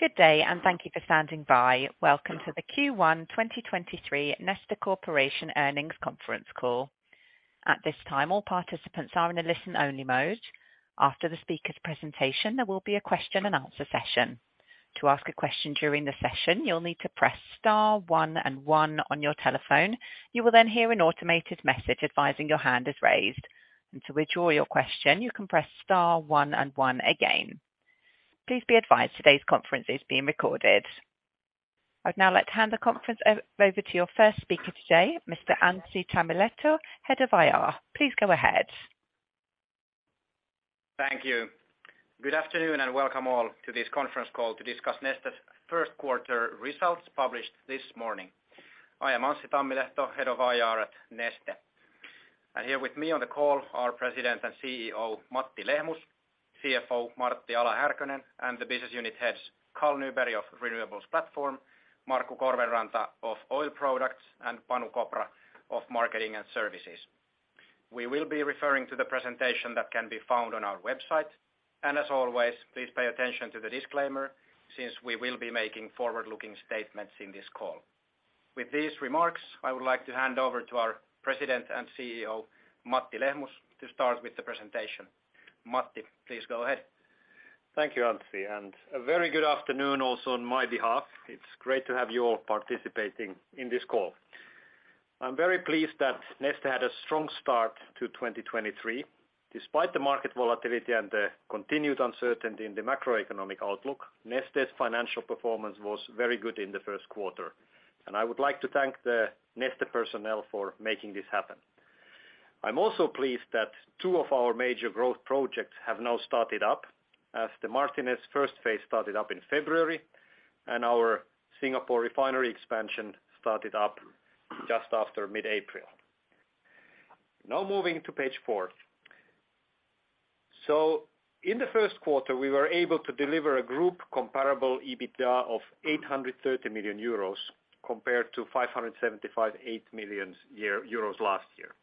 Good day, and thank you for standing by. Welcome to the Q1 2023 Neste Corporation earnings conference call. At this time, all participants are in a listen-only mode. After the speaker's presentation, there will be a question-and-answer session. To ask a question during the session, you'll need to press star one and one on your telephone. You will then hear an automated message advising your hand is raised. To withdraw your question, you can press star one and one again. Please be advised today's conference is being recorded. I'd now like to hand the conference over to your first speaker today, Mr. Anssi Tammilehto, Head of IR. Please go ahead. Thank you. Good afternoon, and welcome all to this conference call to discuss Neste's first quarter results published this morning. I am Anssi Tammilehto, Head of IR at Neste. Here with me on the call are President and CEO Matti Lehmus, CFO Martti Ala-Härkönen, and the business unit heads Carl Nyberg of Renewables Platform, Markku Korvenranta of Oil Products, and Panu Kopra of Marketing & Services. We will be referring to the presentation that can be found on our website. As always, please pay attention to the disclaimer since we will be making forward-looking statements in this call. With these remarks, I would like to hand over to our President and CEO, Matti Lehmus, to start with the presentation. Matti, please go ahead. Thank you, Anssi. A very good afternoon also on my behalf. It's great to have you all participating in this call. I'm very pleased that Neste had a strong start to 2023. Despite the market volatility and the continued uncertainty in the macroeconomic outlook, Neste's financial performance was very good in the first quarter, and I would like to thank the Neste personnel for making this happen. I'm also pleased that two of our major growth projects have now started up, as the Martinez first phase started up in February, and our Singapore refinery expansion started up just after mid-April. Moving to page four. In the first quarter, we were able to deliver a group comparable EBITDA of 830 million euros compared to 575.8 million euros last year.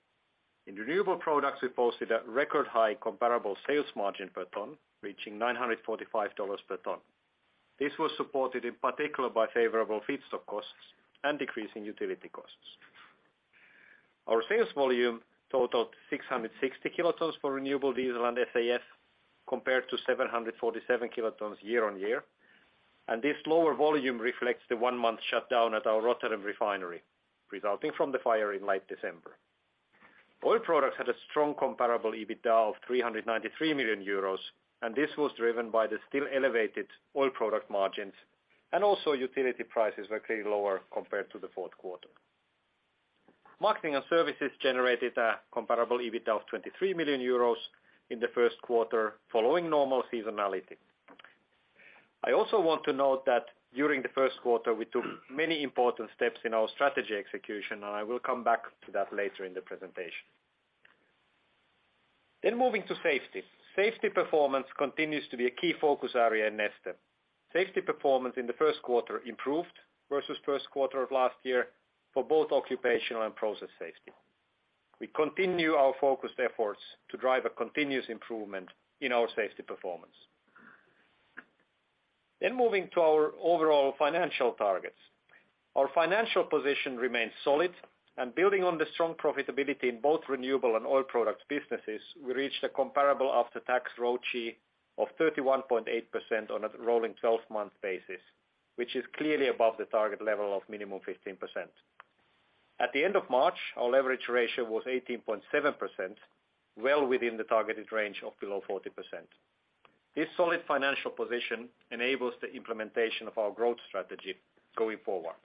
In renewable products, we posted a record high comparable sales margin per ton, reaching $945 per ton. This was supported in particular by favorable feedstock costs and decreasing utility costs. Our sales volume totaled 660 kilotons for renewable diesel and SAF, compared to 747 kilotons year-on-year. This lower volume reflects the one-month shutdown at our Rotterdam refinery, resulting from the fire in late December. Oil Products had a strong comparable EBITDA of 393 million euros. This was driven by the still elevated oil product margins. Also, utility prices were clearly lower compared to the fourth quarter. Marketing & Services generated a comparable EBITDA of 23 million euros in the first quarter following normal seasonality. I also want to note that during the first quarter, we took many important steps in our strategy execution, I will come back to that later in the presentation. Moving to safety. Safety performance continues to be a key focus area at Neste. Safety performance in the first quarter improved versus first quarter of last year for both occupational and process safety. We continue our focused efforts to drive a continuous improvement in our safety performance. Moving to our overall financial targets. Our financial position remains solid, Building on the strong profitability in both renewable and oil products businesses, we reached a comparable after-tax ROCE of 31.8% on a rolling 12-month basis, which is clearly above the target level of minimum 15%. At the end of March, our leverage ratio was 18.7%, well within the targeted range of below 40%. This solid financial position enables the implementation of our growth strategy going forward.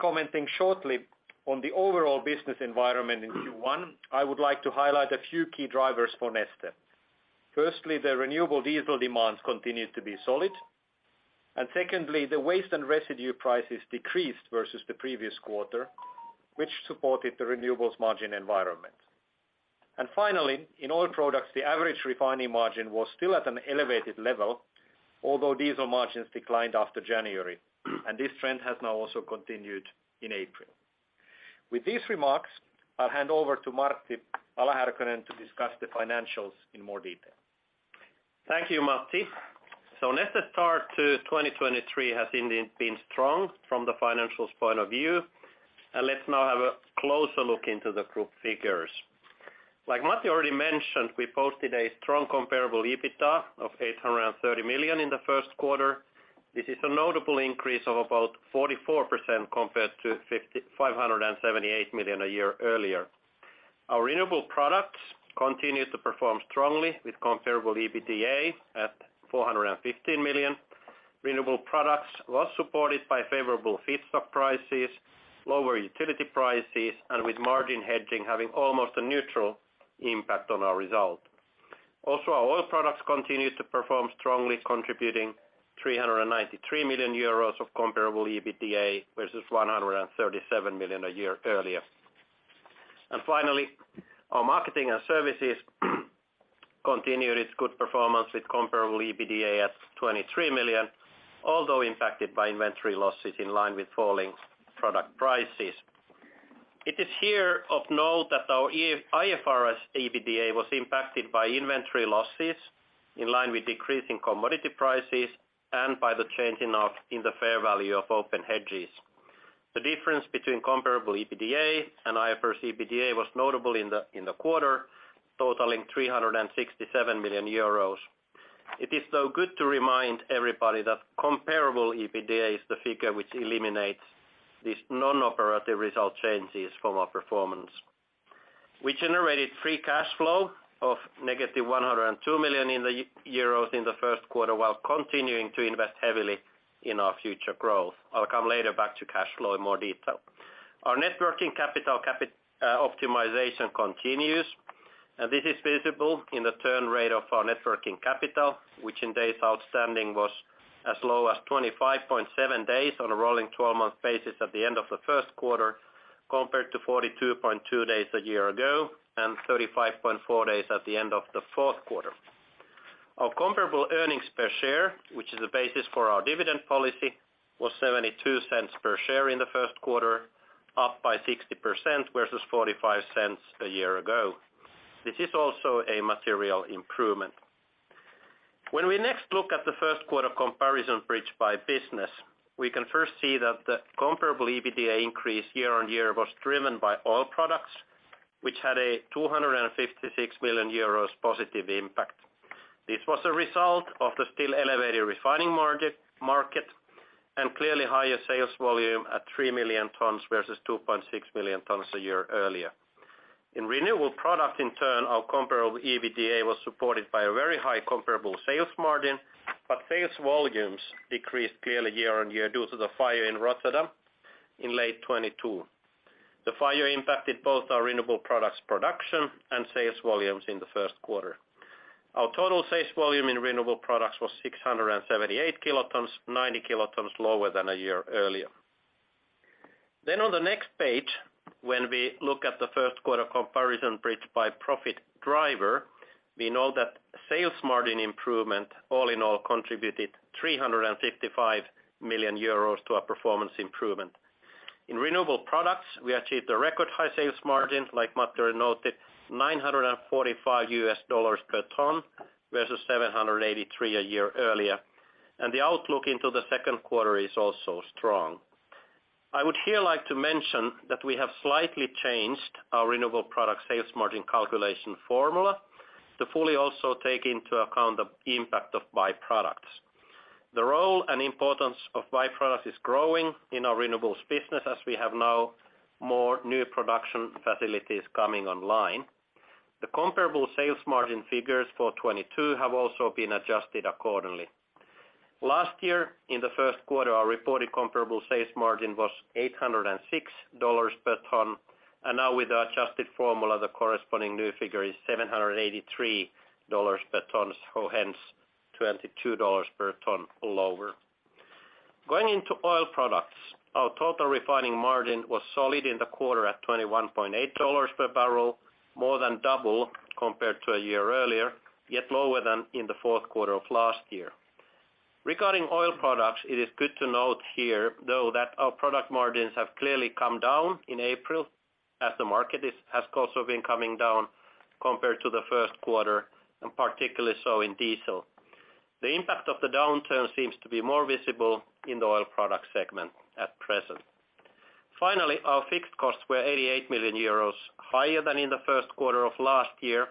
Commenting shortly on the overall business environment in Q1, I would like to highlight a few key drivers for Neste. Firstly, the renewable diesel demands continued to be solid. Secondly, the waste and residue prices decreased versus the previous quarter, which supported the renewables margin environment. In oil products, the average refining margin was still at an elevated level, although diesel margins declined after January, and this trend has now also continued in April. With these remarks, I'll hand over to Martti Ala-Härkönen to discuss the financials in more detail. Thank you, Matti. Neste's start to 2023 has indeed been strong from the financials point of view. Let's now have a closer look into the group figures. Like Matti already mentioned, we posted a strong comparable EBITDA of 830 million in the first quarter. This is a notable increase of about 44% compared to 578 million a year earlier. Our renewable products continued to perform strongly with comparable EBITDA at 415 million. Renewable products was supported by favorable feedstock prices, lower utility prices, and with margin hedging having almost a neutral impact on our result. Our Oil Products continued to perform strongly, contributing 393 million euros of comparable EBITDA versus 137 million a year earlier. Finally, our Marketing & Services continued its good performance with comparable EBITDA at 23 million, although impacted by inventory losses in line with falling product prices. It is here of note that our IFRS EBITDA was impacted by inventory losses in line with decreasing commodity prices and by the changing in the fair value of open hedges. The difference between comparable EBITDA and IFRS EBITDA was notable in the quarter, totaling 367 million euros. It is, though, good to remind everybody that comparable EBITDA is the figure which eliminates these non-operative result changes from our performance. We generated free cash flow of negative 102 million in the first quarter, while continuing to invest heavily in our future growth. I'll come later back to cash flow in more detail. Our networking capital optimization continues. This is visible in the turn rate of our networking capital, which in days outstanding was as low as 25.7 days on a rolling 12-month basis at the end of the first quarter, compared to 42.2 days a year ago and 35.4 days at the end of the fourth quarter. Our comparable earnings per share, which is the basis for our dividend policy, was 0.72 per share in the first quarter, up by 60%, versus 0.45 a year ago. This is also a material improvement. When we next look at the first quarter comparison bridge by business, we can first see that the comparable EBITDA increase year-on-year was driven by Oil Products, which had a 256 million euros positive impact. This was a result of the still elevated refining market and clearly higher sales volume at 3 million tons versus 2.6 million tons a year-earlier. In renewable products, in turn, our comparable EBITDA was supported by a very high comparable sales margin, sales volumes decreased clearly year-on-year due to the fire in Rotterdam in late 2022. The fire impacted both our renewable products production and sales volumes in the first quarter. Our total sales volume in renewable products was 678 kilotons, 90 kilotons lower than a year-earlier. On the next page, when we look at the first quarter comparison bridge by profit driver, we know that sales margin improvement all in all contributed 355 million euros to our performance improvement. In renewable products, we achieved a record high sales margin, like Matti noted, $945 per ton, versus $783 a year earlier. The outlook into the second quarter is also strong. I would here like to mention that we have slightly changed our renewable products sales margin calculation formula to fully also take into account the impact of byproducts. The role and importance of byproducts is growing in our renewables business as we have now more new production facilities coming online. The comparable sales margin figures for 2022 have also been adjusted accordingly. Last year, in the first quarter, our reported comparable sales margin was $806 per ton, and now with the adjusted formula, the corresponding new figure is $783 per ton, so hence $22 per ton lower. Going into Oil Products, our total refining margin was solid in the quarter at $21.8 per barrel, more than double compared to a year earlier, yet lower than in the fourth quarter of last year. Regarding Oil Products, it is good to note here, though, that our product margins have clearly come down in April as the market has also been coming down compared to the first quarter, and particularly so in diesel. The impact of the downturn seems to be more visible in the Oil Products segment at present. Our fixed costs were 88 million euros, higher than in the first quarter of last year,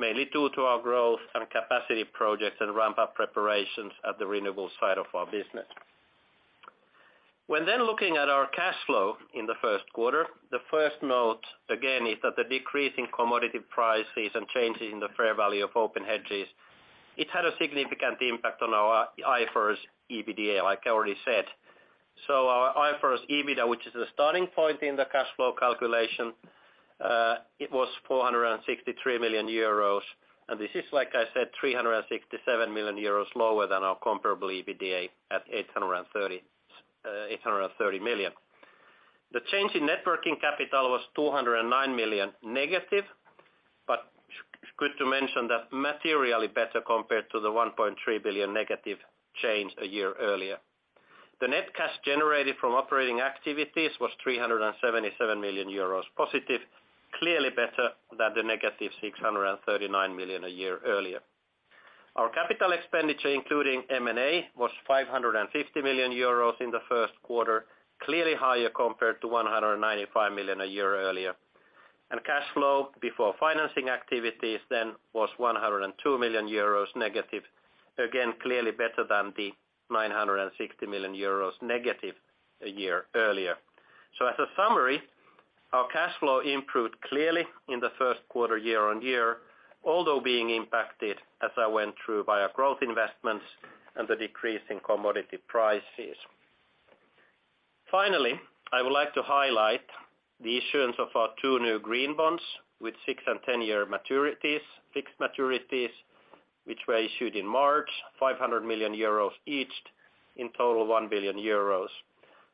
mainly due to our growth and capacity projects and ramp-up preparations at the renewables side of our business. Looking at our cash flow in the first quarter, the first note again is that the decrease in commodity prices and changes in the fair value of open hedges, it had a significant impact on our IFRS EBITDA, like I already said. Our IFRS EBITDA, which is the starting point in the cash flow calculation, it was 463 million euros, and this is, like I said, 367 million euros lower than our comparable EBITDA at 830 million. The change in networking capital was 209 million negative. Good to mention that materially better compared to the 1.3 billion negative change a year earlier. The net cash generated from operating activities was 377 million euros positive, clearly better than the negative 639 million a year earlier. Our CapEx, including M&A, was 550 million euros in the first quarter, clearly higher compared to 195 million a year earlier. Cash flow before financing activities was 102 million euros negative, again, clearly better than the 960 million euros negative a year earlier. As a summary, our cash flow improved clearly in the first quarter year-on-year, although being impacted, as I went through, by our growth investments and the decrease in commodity prices. Finally, I would like to highlight the issuance of our two new green bonds with 6 and 10-year maturities, fixed maturities, which were issued in March, 500 million euros each, in total 1 billion euros.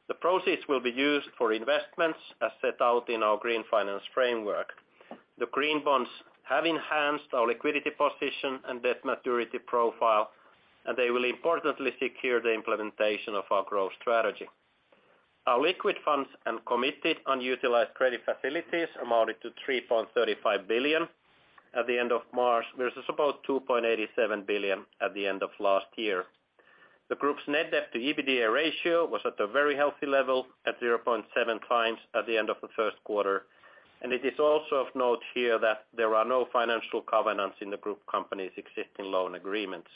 The proceeds will be used for investments as set out in our Green Finance Framework. The green bonds have enhanced our liquidity position and debt maturity profile, they will importantly secure the implementation of our growth strategy. Our liquid funds and committed unutilized credit facilities amounted to 3.35 billion at the end of March, versus about 2.87 billion at the end of last year. The group's net debt to EBITDA ratio was at a very healthy level at 0.7 times at the end of the first quarter. It is also of note here that there are no financial covenants in the group company's existing loan agreements.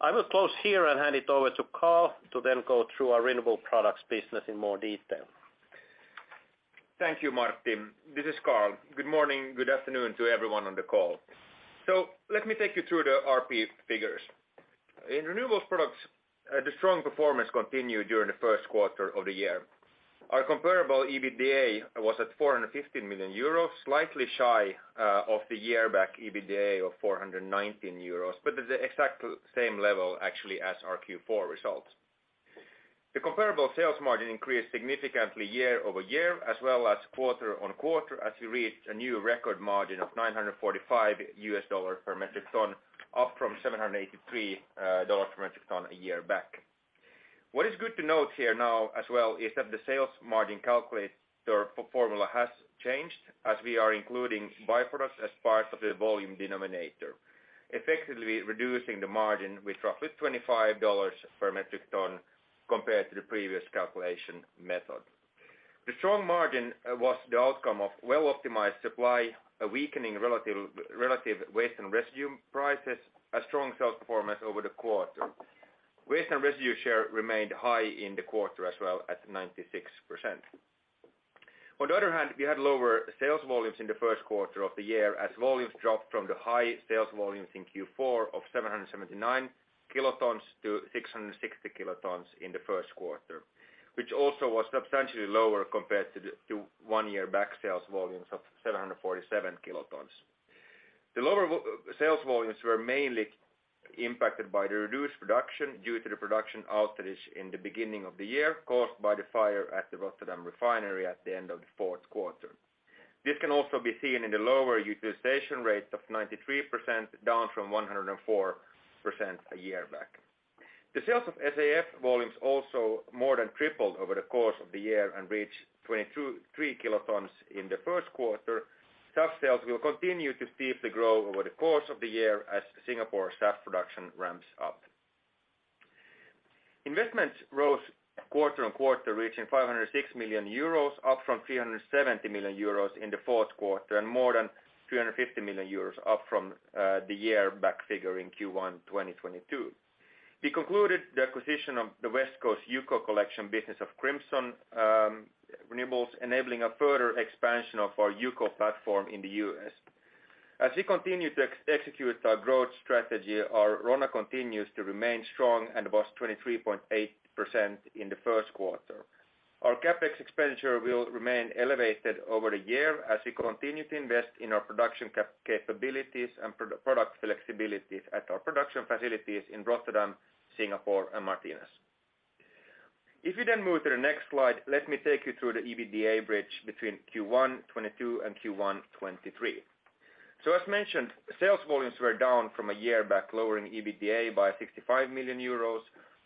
I will close here and hand it over to Carl to then go through our renewable products business in more detail. Thank you, Martti. This is Carl. Good morning, good afternoon to everyone on the call. Let me take you through the RP figures. In Renewables Products, the strong performance continued during the first quarter of the year. Our comparable EBITDA was at 415 million euros, slightly shy of the year-back EBITDA of 419 euros, but at the exact same level actually as our Q4 results. The comparable sales margin increased significantly year-over-year, as well as quarter-on-quarter, as we reached a new record margin of $945 per metric ton, up from $783 per metric ton a year back. What is good to note here now as well is that the sales margin calculator formula has changed as we are including by-products as part of the volume denominator, effectively reducing the margin with roughly $25 per metric ton compared to the previous calculation method. The strong margin was the outcome of well-optimized supply, a weakening relative waste and residue prices, a strong sales performance over the quarter. Waste and residue share remained high in the quarter as well at 96%. We had lower sales volumes in the first quarter of the year, as volumes dropped from the high sales volumes in Q4 of 779 kilotons to 660 kilotons in the first quarter, which also was substantially lower compared to one year back sales volumes of 747 kilotons. The lower sales volumes were mainly impacted by the reduced production due to the production outage in the beginning of the year, caused by the fire at the Rotterdam refinery at the end of the fourth quarter. This can also be seen in the lower utilization rate of 93%, down from 104% a year back. The sales of SAF volumes also more than tripled over the course of the year and reached 22.3 kilotons in the first quarter. Such sales will continue to steeply grow over the course of the year as Singapore SAF production ramps up. Investments rose quarter-on-quarter, reaching 506 million euros, up from 370 million euros in the fourth quarter, and more than 350 million euros, up from the year back figure in Q1 2022. We concluded the acquisition of the West Coast UCO collection business of Crimson Renewable Energy, enabling a further expansion of our UCO platform in the U.S.. As we continue to execute our growth strategy, our RONA continues to remain strong and was 23.8% in the first quarter. Our CapEx expenditure will remain elevated over the year as we continue to invest in our production capabilities and product flexibilities at our production facilities in Rotterdam, Singapore, and Martinez. Move to the next slide, let me take you through the EBITDA bridge between Q1 2022 and Q1 2023. As mentioned, sales volumes were down from a year back, lowering EBITDA by 65 million euros.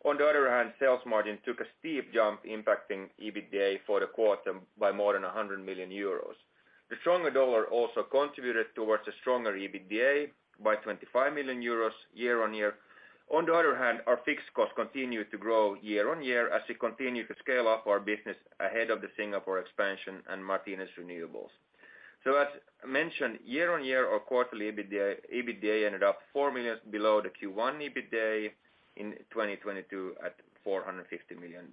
On the other hand, sales margin took a steep jump, impacting EBITDA for the quarter by more than 100 million euros. The stronger dollar also contributed towards a stronger EBITDA by 25 million euros year-on-year. On the other hand, our fixed costs continued to grow year-on-year as we continue to scale up our business ahead of the Singapore expansion and Martinez Renewables. As mentioned, year-on-year, our quarterly EBITDA ended up 4 million below the Q1 EBITDA in 2022 at EUR 450 million.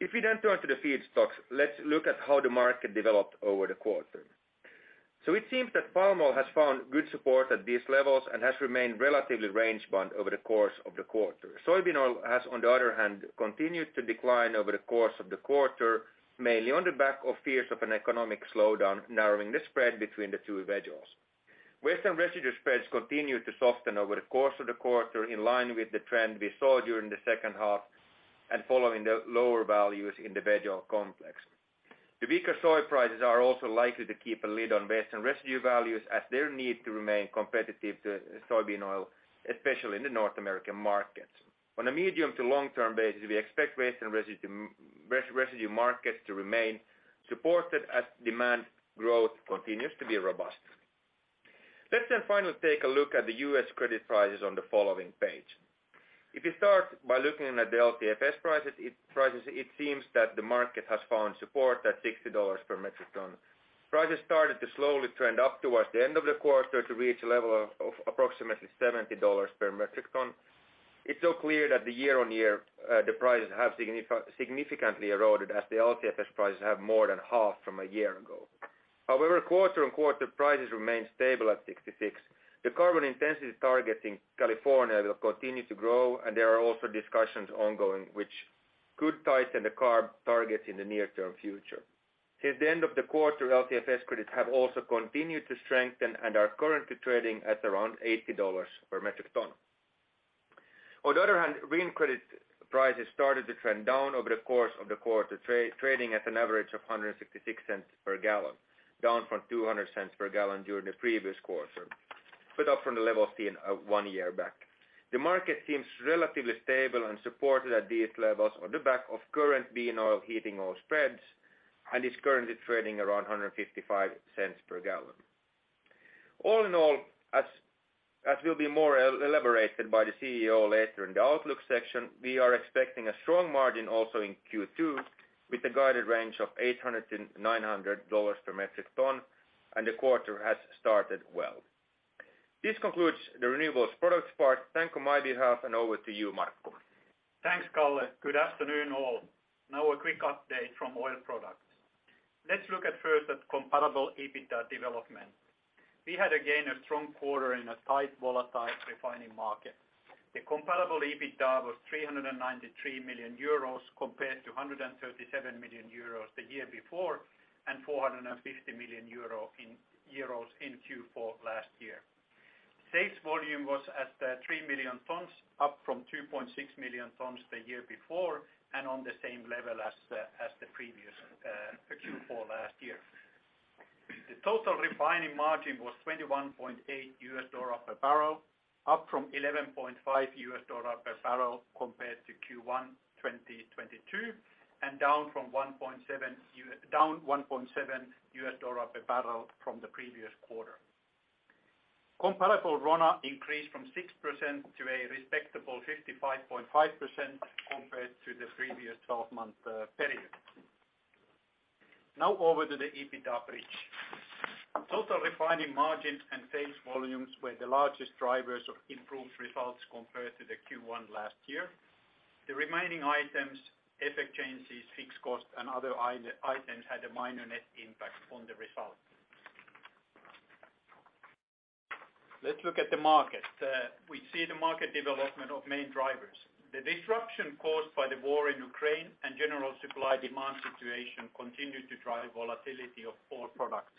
If we turn to the feedstocks, let's look at how the market developed over the quarter. It seems that palm oil has found good support at these levels and has remained relatively range bound over the course of the quarter. Soybean oil has, on the other hand, continued to decline over the course of the quarter, mainly on the back of fears of an economic slowdown narrowing the spread between the two veg oils. Waste and residue spreads continued to soften over the course of the quarter, in line with the trend we saw during the second half and following the lower values in the vegoil complex. The weaker soy prices are also likely to keep a lid on waste and residue values as they need to remain competitive to soybean oil, especially in the North American markets. On a medium to long-term basis, we expect waste and residue markets to remain supported as demand growth continues to be robust. Let's finally take a look at the U.S. credit prices on the following page. If you start by looking at the LCFS prices, it seems that the market has found support at $60 per metric ton. Prices started to slowly trend up towards the end of the quarter to reach a level of approximately $70 per metric ton. It's clear that the year-on-year the prices have significantly eroded as the LCFS prices have more than halved from a year ago. However, quarter-on-quarter, prices remain stable at $66. The carbon intensity targets in California will continue to grow. There are also discussions ongoing which could tighten the CARB targets in the near term future. Since the end of the quarter, LCFS credits have also continued to strengthen and are currently trading at around $80 per metric ton. On the other hand, green credit prices started to trend down over the course of the quarter, trading at an average of $1.66 per gallon, down from $2.00 per gallon during the previous quarter, but up from the levels seen one year back. The market seems relatively stable and supported at these levels on the back of current bean oil heating oil spreads, and is currently trading around $1.55 per gallon. All in all, as will be more elaborated by the CEO later in the outlook section, we are expecting a strong margin also in Q2 with a guided range of $800-$900 per metric ton, and the quarter has started well. This concludes the renewables products part. Thank you on my behalf, and over to you, Markku. Thanks, Carl. Good afternoon all. A quick update from Oil Products. Let's look at first at comparable EBITDA development. We had again a strong quarter in a tight, volatile refining market. The comparable EBITDA was 393 million euros compared to 137 million euros the year before, and 450 million euro in Q4 last year. Sales volume was at 3 million tons, up from 2.6 million tons the year before, and on the same level as the previous Q4 last year. The total refining margin was $21.8 per barrel, up from $11.5 per barrel compared to Q1 2022, and down $1.7 per barrel from the previous quarter. Comparable RONA increased from 6% to a respectable 55.5% compared to the previous 12-month period. Now over to the EBITDA bridge. Total refining margins and sales volumes were the largest drivers of improved results compared to the Q1 last year. The remaining items, effect changes, fixed costs, and other items, had a minor net impact on the results. Let's look at the market. We see the market development of main drivers. The disruption caused by the war in Ukraine and general supply-demand situation continued to drive volatility of oil products.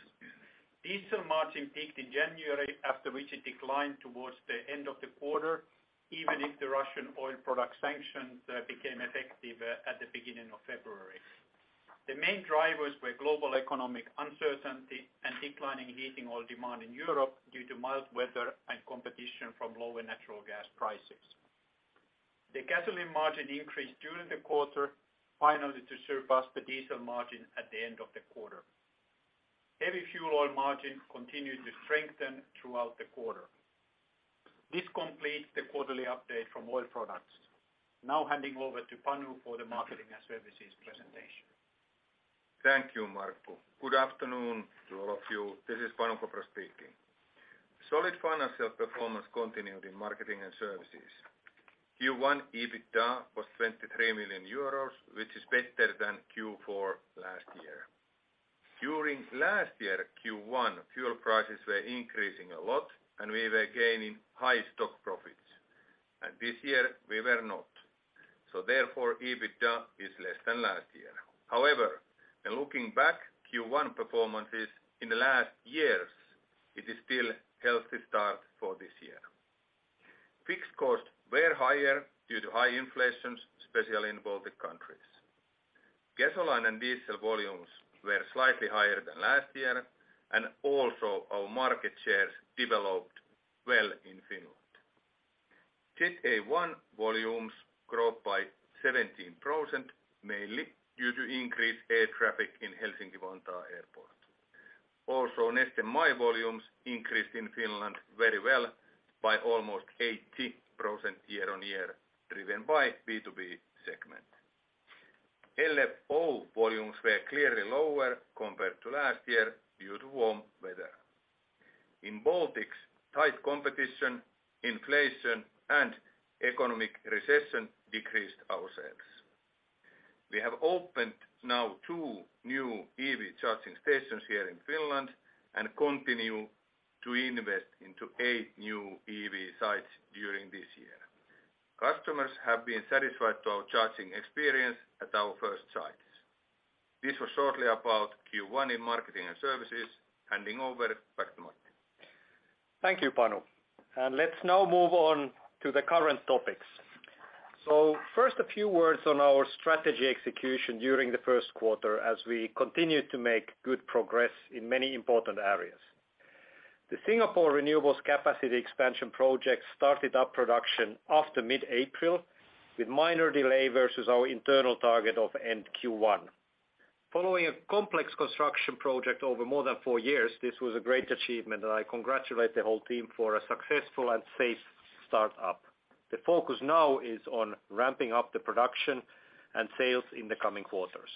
Diesel margin peaked in January, after which it declined towards the end of the quarter, even if the Russian oil product sanctions became effective at the beginning of February. The main drivers were global economic uncertainty and declining heating oil demand in Europe due to mild weather and competition from lower natural gas prices. The gasoline margin increased during the quarter, finally to surpass the diesel margin at the end of the quarter. Heavy fuel oil margin continued to strengthen throughout the quarter. This completes the quarterly update from Oil Products. Now handing over to Panu for the Marketing & Services presentation. Thank you, Markku. Good afternoon to all of you. This is Panu Kopra speaking. Solid financial performance continued in Marketing & Services. Q1 EBITDA was 23 million euros, which is better than Q4 last year. During last year Q1, fuel prices were increasing a lot and we were gaining high stock profits, and this year we were not. Therefore, EBITDA is less than last year. However, when looking back Q1 performances in the last years, it is still healthy start for this year. Fixed costs were higher due to high inflations, especially in Baltic countries. Gasoline and diesel volumes were slightly higher than last year, and also our market shares developed well in Finland. Jet A-1 volumes grew up by 17%, mainly due to increased air traffic in Helsinki-Vantaa Airport. Also, Neste MY volumes increased in Finland very well by almost 80% year-on-year, driven by B2B segment. LFO volumes were clearly lower compared to last year due to warm weather. In Baltics, tight competition, inflation, and economic recession decreased our sales. We have opened now two new EV charging stations here in Finland, and continue to invest into eight new EV sites during this year. Customers have been satisfied to our charging experience at our first sites. This was shortly about Q1 in Marketing & Services. Handing over back to Matti. Thank you, Panu. Let's now move on to the current topics. First, a few words on our strategy execution during the first quarter as we continue to make good progress in many important areas. The Singapore renewables capacity expansion project started up production after mid-April, with minor delay versus our internal target of end Q1. Following a complex construction project over more than four years, this was a great achievement, and I congratulate the whole team for a successful and safe startup. The focus now is on ramping up the production and sales in the coming quarters.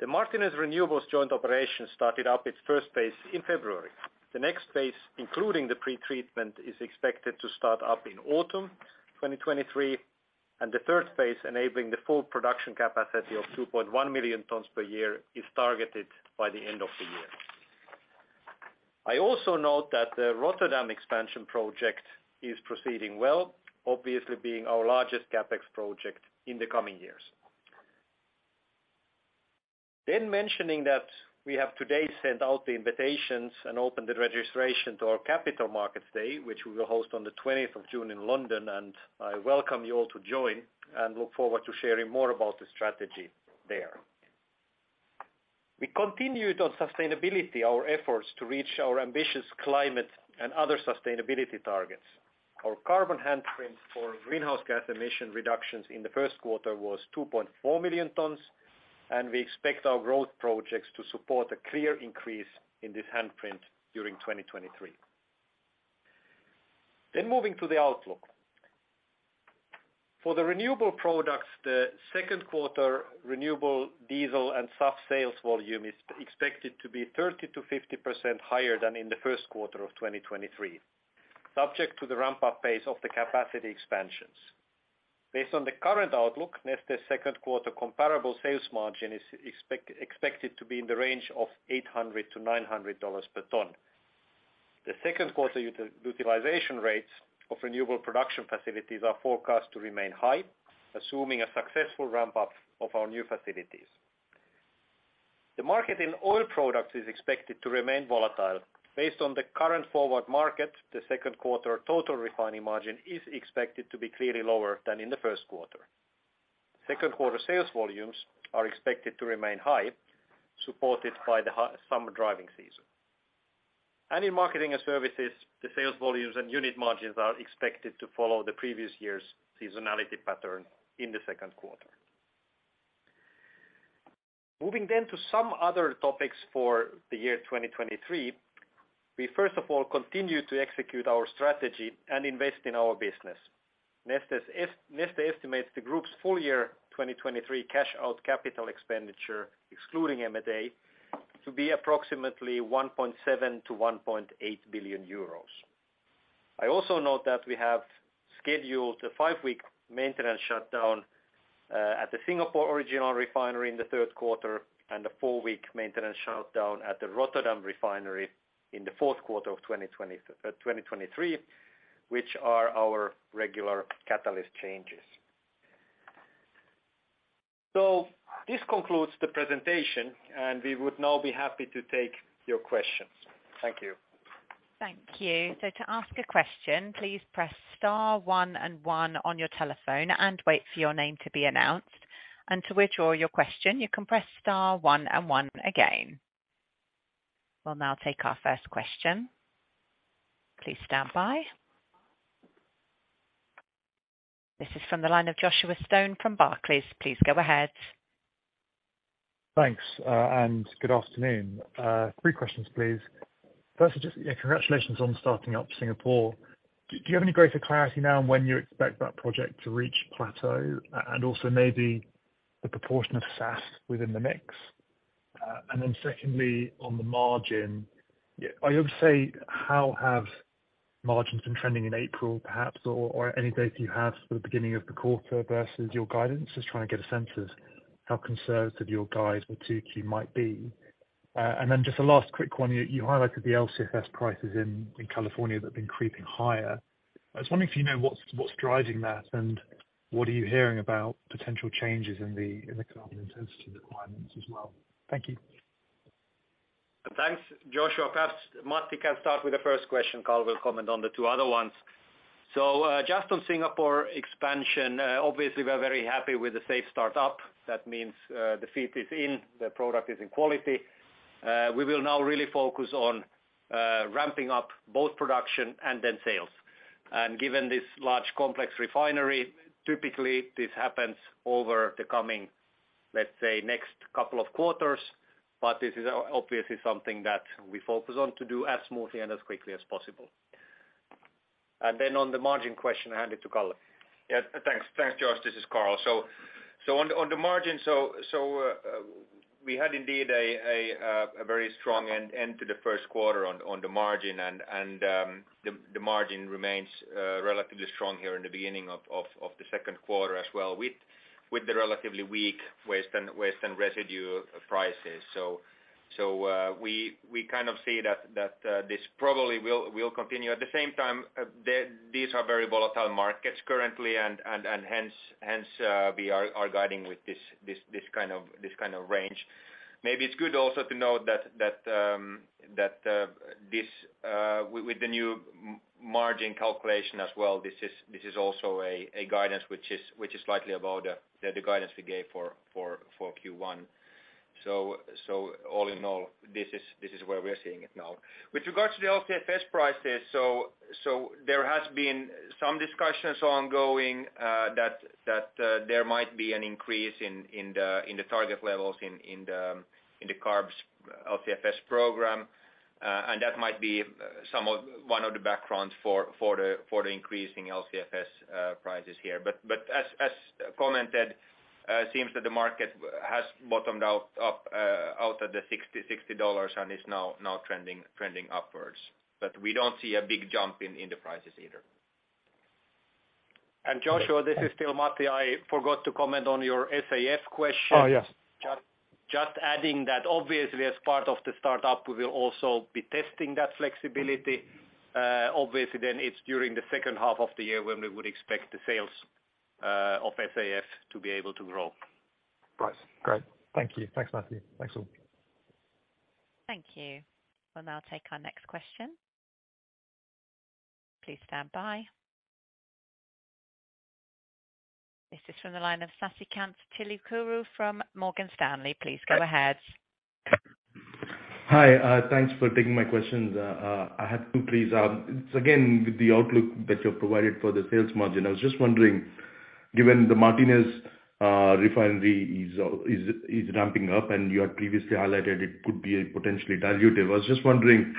The Martinez Renewables joint operation started up its first phase in February. The next phase, including the pretreatment, is expected to start up in autumn 2023, and the third phase, enabling the full production capacity of 2.1 million tons per year, is targeted by the end of the year. I also note that the Rotterdam expansion project is proceeding well, obviously being our largest CapEx project in the coming years. Mentioning that we have today sent out the invitations and opened the registration to our Capital Markets Day, which we will host on the 20th of June in London, and I welcome you all to join and look forward to sharing more about the strategy there. We continued on sustainability, our efforts to reach our ambitious climate and other sustainability targets. Our carbon handprint for greenhouse gas emission reductions in the first quarter was 2.4 million tons, and we expect our growth projects to support a clear increase in this handprint during 2023. Moving to the outlook. For the renewable products, the second quarter, renewable diesel and SAF sales volume is expected to be 30%-50% higher than in the first quarter of 2023, subject to the ramp-up phase of the capacity expansions. Based on the current outlook, Neste's second quarter comparable sales margin is expected to be in the range of $800-$900 per ton. The second quarter utilization rates of renewable production facilities are forecast to remain high, assuming a successful ramp-up of our new facilities. The market in Oil Products is expected to remain volatile. Based on the current forward market, the second quarter total refining margin is expected to be clearly lower than in the first quarter. Second quarter sales volumes are expected to remain high, supported by the summer driving season. In Marketing & Services, the sales volumes and unit margins are expected to follow the previous year's seasonality pattern in the second quarter. Moving then to some other topics for the year 2023, we first of all continue to execute our strategy and invest in our business. Neste estimates the group's full year 2023 cash out CapEx, excluding M&A, to be approximately 1.7 billion-1.8 billion euros. I also note that we have scheduled a five-week maintenance shutdown at the Singapore original refinery in the third quarter and a four-week maintenance shutdown at the Rotterdam refinery in the fourth quarter of 2023, which are our regular catalyst changes. This concludes the presentation, and we would now be happy to take your questions. Thank you. Thank you. To ask a question, please press star one and one on your telephone and wait for your name to be announced. To withdraw your question, you can press star one and one again. We'll now take our first question. Please stand by. This is from the line of Joshua Stone from Barclays. Please go ahead. Thanks, good afternoon. Three questions, please. First, congratulations on starting up Singapore. Do you have any greater clarity now on when you expect that project to reach plateau and also maybe the proportion of SAF within the mix? Secondly, on the margin, are you able to say how have margins been trending in April, perhaps, or any data you have for the beginning of the quarter versus your guidance? Just trying to get a sense of how conservative your guide for 2Q might be. A last quick one. You highlighted the LCFS prices in California that have been creeping higher. I was wondering if you know what's driving that, what are you hearing about potential changes in the carbon intensity requirements as well? Thank you. Thanks, Joshua. Perhaps Matti can start with the first question. Carl will comment on the two other ones. Just on Singapore expansion, obviously we're very happy with the safe start up. That means, the feet is in, the product is in quality. We will now really focus on ramping up both production and then sales. Given this large complex refinery, typically this happens over the coming, let's say, next couple of quarters, but this is obviously something that we focus on to do as smoothly and as quickly as possible. Then on the margin question, I hand it to Carl. Yeah. Thanks. Thanks, Josh. This is Carl. On the margin, we had indeed a very strong end to the first quarter on the margin and the margin remains relatively strong here in the beginning of the second quarter as well with the relatively weak waste and residue prices. We kind of see that this probably will continue. At the same time, these are very volatile markets currently, and hence, we are guiding with this kind of range. Maybe it's good also to note that, this with the new margin calculation as well, this is, this is also a guidance which is, which is slightly above the guidance we gave for Q1. All in all, this is where we're seeing it now. With regards to the LCFS prices, there has been some discussions ongoing, that, there might be an increase in the, in the target levels in the, in the CARB LCFS program, and that might be one of the backgrounds for the, for the increase in LCFS prices here. As commented, seems that the market has bottomed out of the $60 and is now trending upwards. We don't see a big jump in the prices either. Joshua, this is still Matti. I forgot to comment on your SAF question. Oh, yes. Just adding that obviously, as part of the startup, we will also be testing that flexibility. obviously, it's during the second half of the year when we would expect the sales. Of SAF to be able to grow. Right. Great. Thank you. Thanks, Matti. Thanks all. Thank you. We'll now take our next question. Please stand by. This is from the line of Sasikanth Chilukuru from Morgan Stanley. Please go ahead. Hi, thanks for taking my questions. I have two please. It's again with the outlook that you've provided for the sales margin. I was just wondering, given the Martinez refinery is ramping up, and you had previously highlighted it could be potentially dilutive. I was just wondering,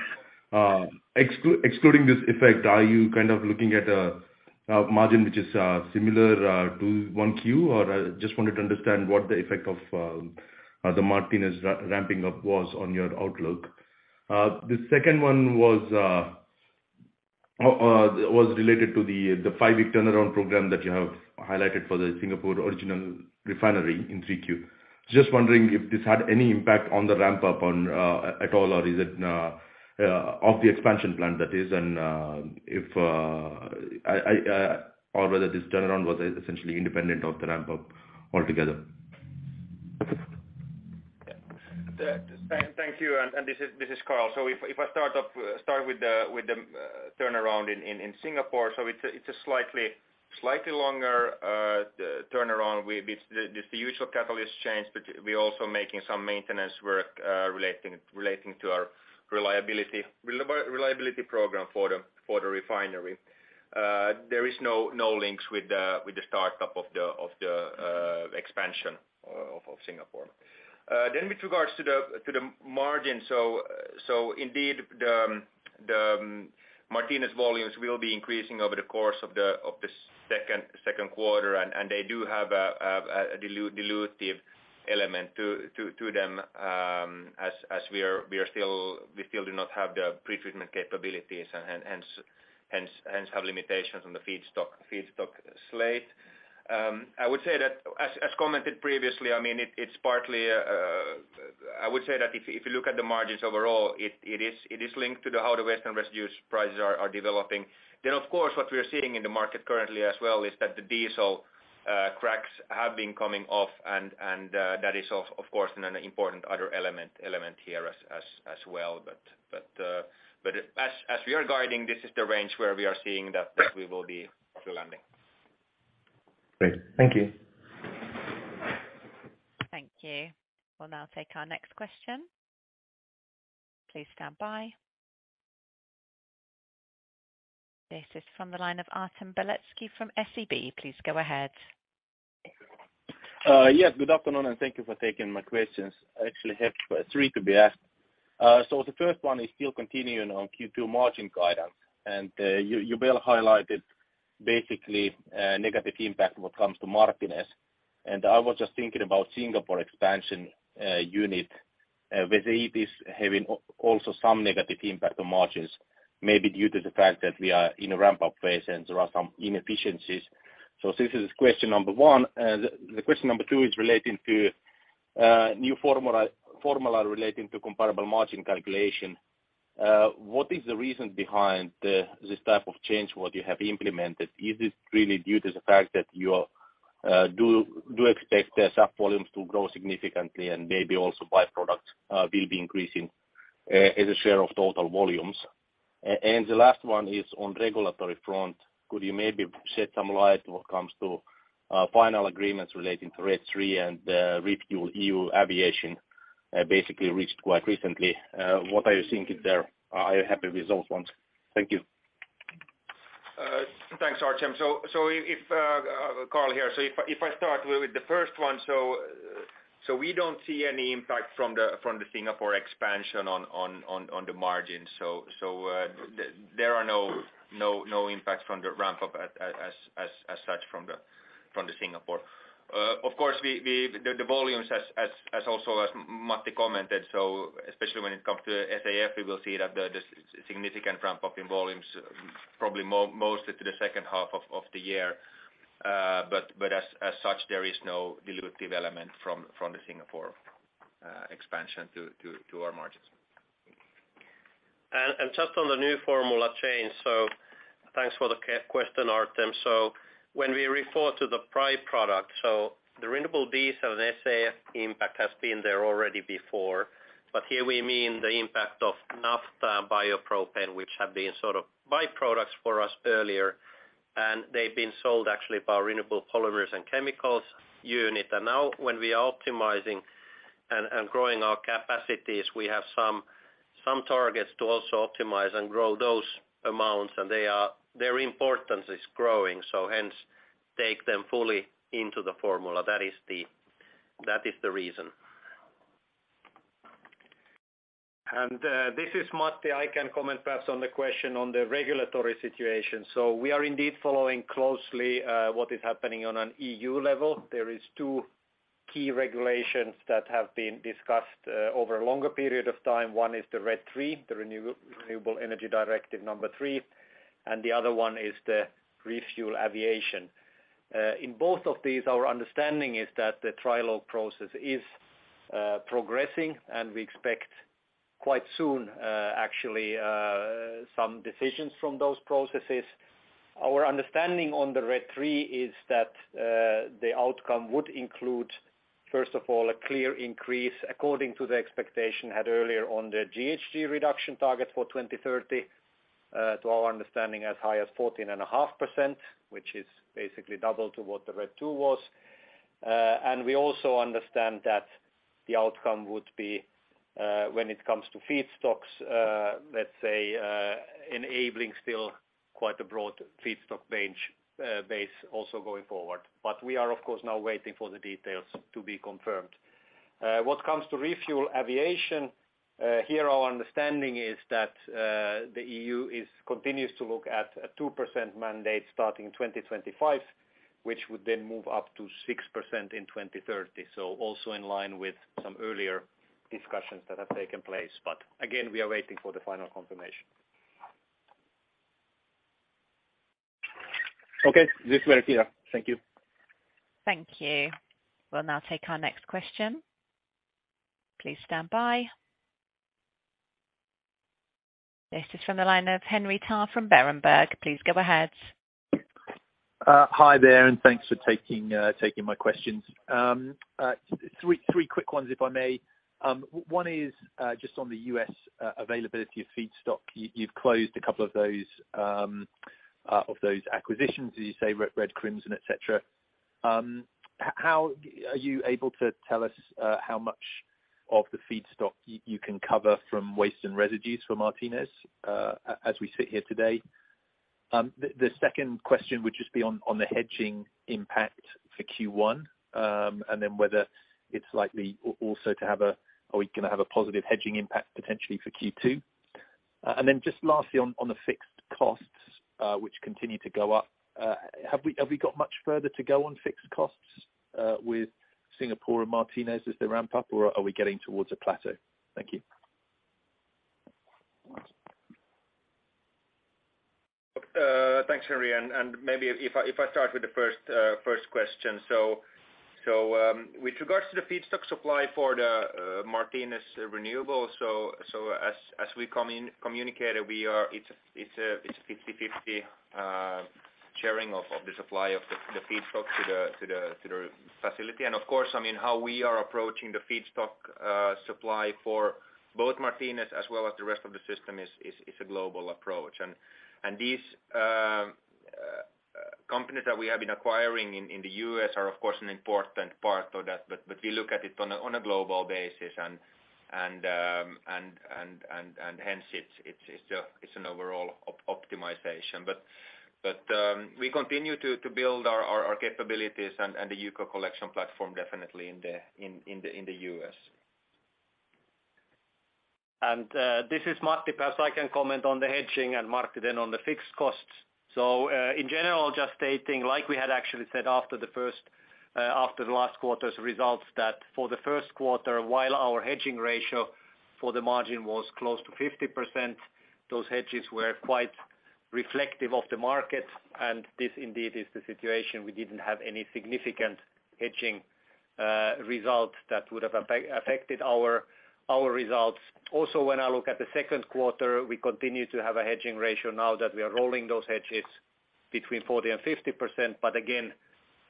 excluding this effect, are you kind of looking at a margin which is similar to 1Q? I just wanted to understand what the effect of the Martinez ramping up was on your outlook. The second one was related to the five-week turnaround program that you have highlighted for the Singapore original refinery in 3Q. Just wondering if this had any impact on the ramp up on at all? Is it of the expansion plan that is, and if, or whether this turnaround was essentially independent of the ramp up altogether? Thank you. This is Carl. If I start with the turnaround in Singapore, it's a slightly longer turnaround with the usual catalyst change. We're also making some maintenance work relating to our reliability program for the refinery. There is no links with the startup of the expansion of Singapore. With regards to the margin, indeed the Martinez volumes will be increasing over the course of the second quarter. They do have a dilutive element to them as we are still, we still do not have the pretreatment capabilities and hence have limitations on the feedstock slate. I would say that as commented previously, I mean, it is partly, I would say that if you look at the margins overall, it is, it is linked to how the western residues prices are developing. What we are seeing in the market currently as well, is that the diesel cracks have been coming off and that is of course an important other element here as well. But as we are guiding, this is the range where we are seeing that we will be properly landing. Great. Thank you. Thank you. We'll now take our next question. Please stand by. This is from the line of Artem Beletski from SEB. Please go ahead. Yes, good afternoon. Thank you for taking my questions. I actually have 3 to be asked. The first one is still continuing on Q2 margin guidance. You were highlighted basically, negative impact when it comes to Martinez. I was just thinking about Singapore expansion unit, whether it is having also some negative impact on margins, maybe due to the fact that we are in a ramp up phase and there are some inefficiencies. This is question number 1. The question number 2 is relating to new formula relating to comparable margin calculation. What is the reason behind this type of change what you have implemented? Is this really due to the fact that you do expect the SAF volumes to grow significantly and maybe also byproducts will be increasing as a share of total volumes? The last one is on regulatory front. Could you maybe shed some light when it comes to final agreements relating to RED III and ReFuelEU Aviation basically reached quite recently. What are you seeing there? Are you happy with the result once? Thank you. Thanks, Artem. If Carl here. If I start with the first one, so we don't see any impact from the Singapore expansion on the margin. There are no impacts from the ramp up as such from the Singapore. Of course, we the volumes as also as Matti commented, so especially when it comes to SAF, we will see that the significant ramp up in volumes probably mostly to the second half of the year. As such, there is no dilutive element from the Singapore expansion to our margins. Just on the new formula change, thanks for the question, Artem. When we refer to the prior product, the renewable diesel and SAF impact has been there already before, but here we mean the impact of naphtha, biopropane, which have been sort of byproducts for us earlier. They've been sold actually by our Renewable Polymers and Chemicals unit. Now when we are optimizing and growing our capacities, we have some targets to also optimize and grow those amounts. They are, their importance is growing, hence take them fully into the formula. That is the reason. This is Matti. I can comment perhaps on the question on the regulatory situation. We are indeed following closely what is happening on an EU level. There is two key regulations that have been discussed over a longer period of time. One is the RED III, the Renewable Energy Directive number three, and the other one is the ReFuelEU Aviation. In both of these, our understanding is that the trilogue process is progressing, and we expect quite soon, some decisions from those processes. Our understanding on the RED III is that the outcome would include, first of all, a clear increase according to the expectation had earlier on the GHG reduction target for 2030, to our understanding as high as 14.5%, which is basically double to what the RED II was. We also understand that the outcome would be, when it comes to feedstocks, let's say, enabling still quite a broad feedstock range, base also going forward. We are, of course, now waiting for the details to be confirmed. What comes to ReFuelEU Aviation, here, our understanding is that the EU is continues to look at a 2% mandate starting 2025, which would then move up to 6% in 2030. Also in line with some earlier discussions that have taken place. Again, we are waiting for the final confirmation. Okay. This very clear. Thank you. Thank you. We'll now take our next question. Please stand by. This is from the line of Henry Tarr from Berenberg. Please go ahead. Hi there, and thanks for taking my questions. three quick ones, if I may. one is just on the U.S. availability of feedstock. You've closed a couple of those acquisitions, as you say, Crimson Renewable Energy, et cetera. how are you able to tell us how much of the feedstock you can cover from waste and residues for Martinez as we sit here today? The second question would just be on the hedging impact for Q1, and then whether it's likely also to have a positive hedging impact potentially for Q2? just lastly on the fixed costs, which continue to go up. Have we got much further to go on fixed costs with Singapore and Martinez as they ramp up, or are we getting towards a plateau? Thank you. Thanks, Henry. Maybe if I start with the first question. With regards to the feedstock supply for the Martinez Renewables, as we communicated, it's a 50/50 sharing of the supply of the feedstock to the facility. Of course, I mean, how we are approaching the feedstock supply for both Martinez as well as the rest of the system is a global approach. These companies that we have been acquiring in the U.S. are of course, an important part of that, but we look at it on a global basis and hence it's an overall optimization. We continue to build our capabilities and the UCO collection platform, definitely in the U.S.. This is Matti. First I can comment on the hedging and Martti then on the fixed costs. In general, just stating, like we had actually said after the first, after the last quarter's results, that for the first quarter, while our hedging ratio for the margin was close to 50%, those hedges were quite reflective of the market, and this indeed is the situation. We didn't have any significant hedging results that would have affected our results. Also, when I look at the second quarter, we continue to have a hedging ratio now that we are rolling those hedges between 40% and 50%.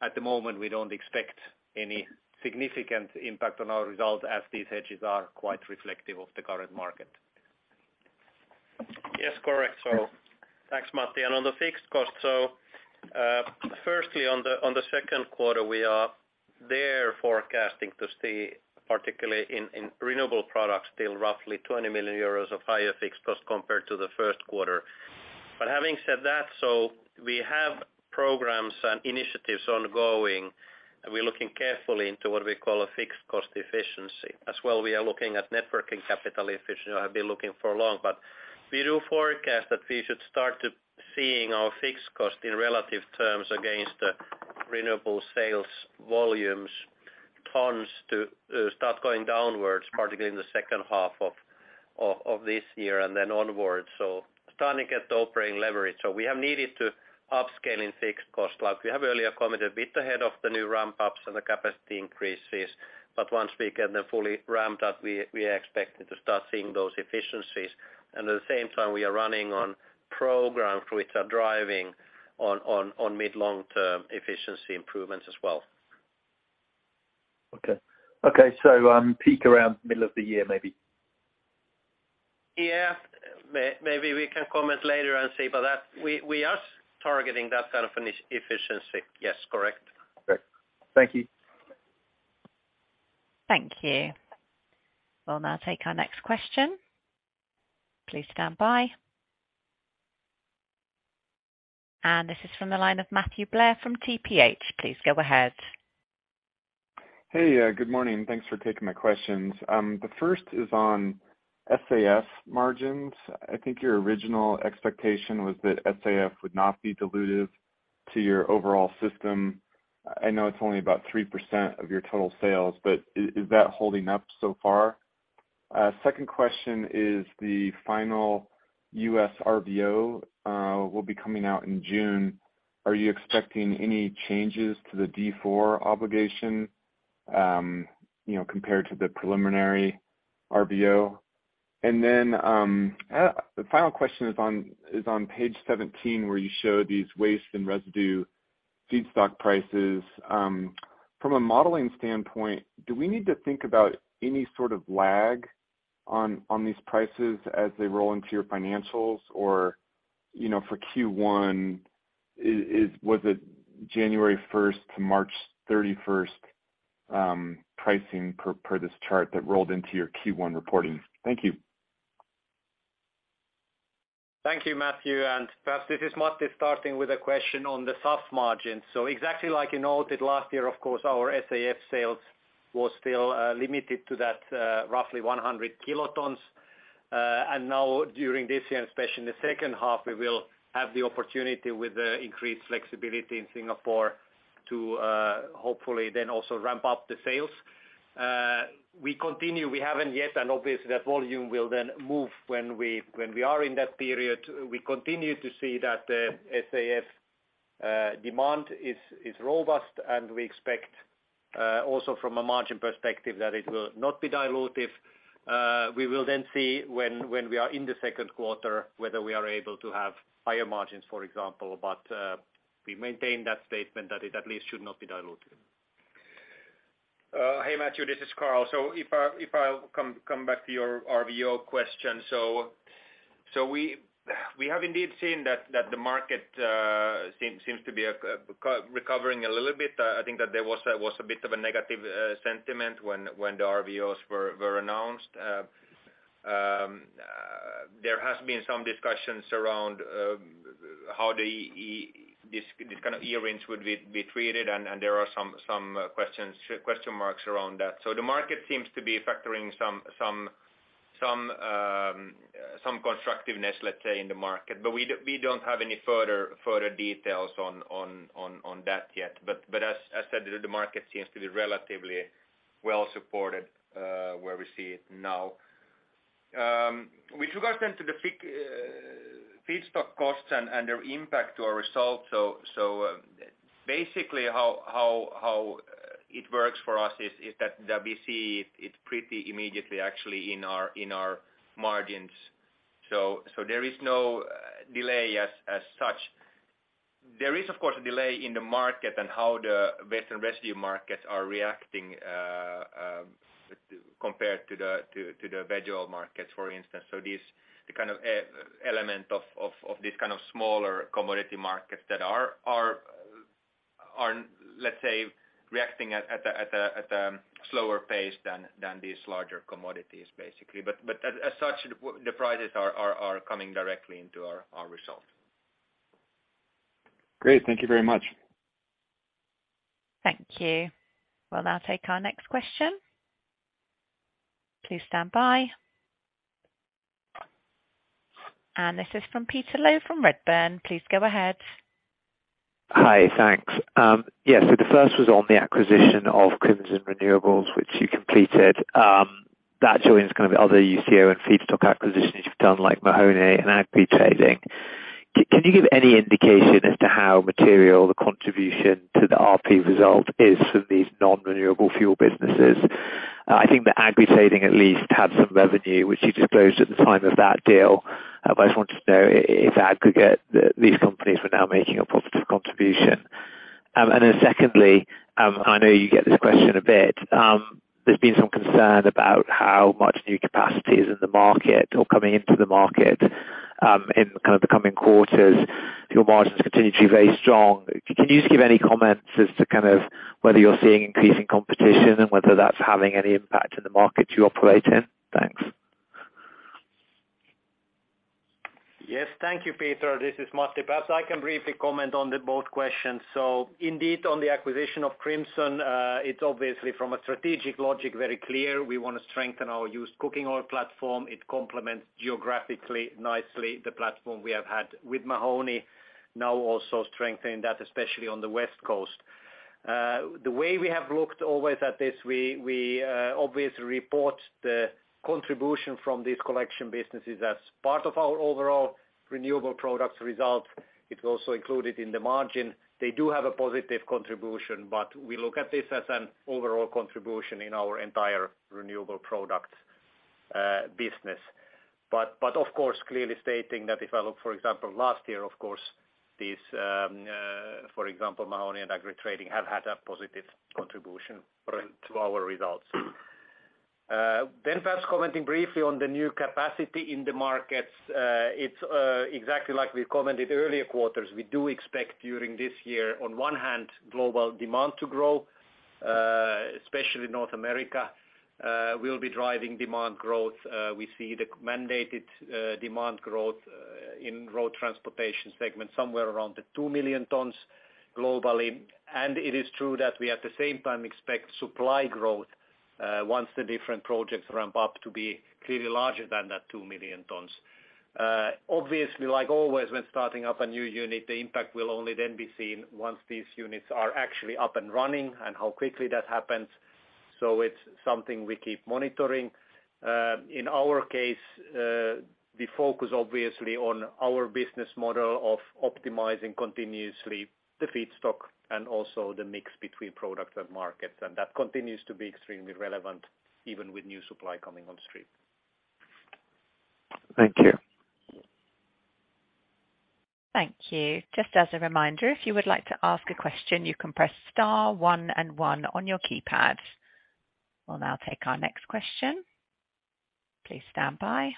At the moment, we don't expect any significant impact on our results as these hedges are quite reflective of the current market. Yes, correct. Thanks, Matti. On the fixed cost, firstly on the second quarter, we are there forecasting to see, particularly in renewable products, still roughly 20 million euros of higher fixed cost compared to the first quarter. Having said that, we have programs and initiatives ongoing, and we're looking carefully into what we call a fixed cost efficiency. As well, we are looking at Net Working Capital efficiency, have been looking for long, but we do forecast that we should start to seeing our fixed cost in relative terms against the renewable sales volumes, tons to start going downwards, particularly in the second half of this year and then onwards. Starting at the operating leverage. We have needed to upscaling fixed cost like we have earlier committed a bit ahead of the new ramp-ups and the capacity increases. Once we get them fully ramped up, we are expecting to start seeing those efficiencies. At the same time we are running on programs which are driving on mid-long-term efficiency improvements as well. Okay, peak around middle of the year, maybe. Yeah. Maybe we can comment later and see. We are targeting that kind of an efficiency. Yes, correct. Great. Thank you. Thank you. We'll now take our next question. Please stand by. This is from the line of Matthew Blair from TPH. Please go ahead. Hey, good morning. Thanks for taking my questions. The first is on SAF margins. I think your original expectation was that SAF would not be dilutive to your overall system. I know it's only about 3% of your total sales, but is that holding up so far? Second question is the final U.S. RVO will be coming out in June. Are you expecting any changes to the D4 obligation, you know, compared to the preliminary RVO? The final question is on page 17 where you show these waste and residue feedstock prices. From a modeling standpoint, do we need to think about any sort of lag on these prices as they roll into your financials? You know, for Q1, was it January first to March thirty-first, pricing per this chart that rolled into your Q1 reporting? Thank you. Thank you, Matthew. Perhaps this is Matti starting with a question on the SAF margin. Exactly like you noted last year, of course, our SAF sales was still limited to that roughly 100 kilotons. Now during this year, and especially in the second half, we will have the opportunity with the increased flexibility in Singapore to hopefully then also ramp up the sales. We continue, we haven't yet, and obviously that volume will then move when we are in that period. We continue to see that SAF demand is robust, and we expect also from a margin perspective that it will not be dilutive. We will then see when we are in the second quarter, whether we are able to have higher margins, for example. We maintain that statement that it at least should not be dilutive. Hey, Matthew, this is Carl. If I'll come back to your RVO question. We have indeed seen that the market seems to be co-recovering a little bit. I think that there was a bit of a negative sentiment when the RVOs were announced. There has been some discussions around how the this kind of earnings would be treated, and there are some questions, question marks around that. The market seems to be factoring some constructiveness, let's say, in the market. We don't have any further details on that yet. As said, the market seems to be relatively well supported where we see it now. With regards to the feedstock costs and their impact to our results. Basically how it works for us is that we see it pretty immediately actually in our margins. There is no delay as such. There is of course a delay in the market and how the waste and residue markets are reacting compared to the vegoil markets, for instance. This, the kind of element of these kind of smaller commodity markets that are, let's say, reacting at a slower pace than these larger commodities, basically. As such, the prices are coming directly into our results. Great. Thank you very much. Thank you. We'll now take our next question. Please stand by. This is from Peter Low from Redburn. Please go ahead. Hi, thanks. The first was on the acquisition of Crimson Renewables, which you completed. That joins kind of other UCO and feedstock acquisitions you've done, like Mahoney Environmental and Agri Trading. Can you give any indication as to how material the contribution to the RP result is from these non-renewable fuel businesses? I think the Agri Trading at least had some revenue, which you disclosed at the time of that deal. I just wanted to know if that could get these companies were now making a positive contribution. Secondly, I know you get this question a bit. There's been some concern about how much new capacity is in the market or coming into the market, in kind of the coming quarters. Your margins continue to be very strong. Can you just give any comments as to kind of whether you're seeing increasing competition and whether that's having any impact in the markets you operate in? Thanks. Yes. Thank you, Peter. This is Matti. Perhaps I can briefly comment on the both questions. Indeed, on the acquisition of Crimson, it's obviously from a strategic logic, very clear. We want to strengthen our used cooking oil platform. It complements geographically nicely the platform we have had with Mahoney Environmental, now also strengthening that, especially on the West Coast. The way we have looked always at this, we obviously report the contribution from these collection businesses as part of our overall renewable products result. It's also included in the margin. They do have a positive contribution, but we look at this as an overall contribution in our entire renewable product business. Of course, clearly stating that if I look, for example, last year, of course, these, for example, Mahoney Environmental and Agri Trading have had a positive contribution to our results. Then perhaps commenting briefly on the new capacity in the markets. It's exactly like we commented earlier quarters. We do expect during this year, on one hand, global demand to grow, especially North America, will be driving demand growth. We see the mandated demand growth in road transportation segment somewhere around the 2 million tons globally. It is true that we, at the same time, expect supply growth, once the different projects ramp up to be clearly larger than that 2 million tons. Obviously, like always, when starting up a new unit, the impact will only then be seen once these units are actually up and running and how quickly that happens. It's something we keep monitoring. In our case, we focus obviously on our business model of optimizing continuously the feedstock and also the mix between product and market. That continues to be extremely relevant even with new supply coming on stream. Thank you. Thank you. Just as a reminder, if you would like to ask a question, you can press star one and one on your keypad. We'll now take our next question. Please stand by.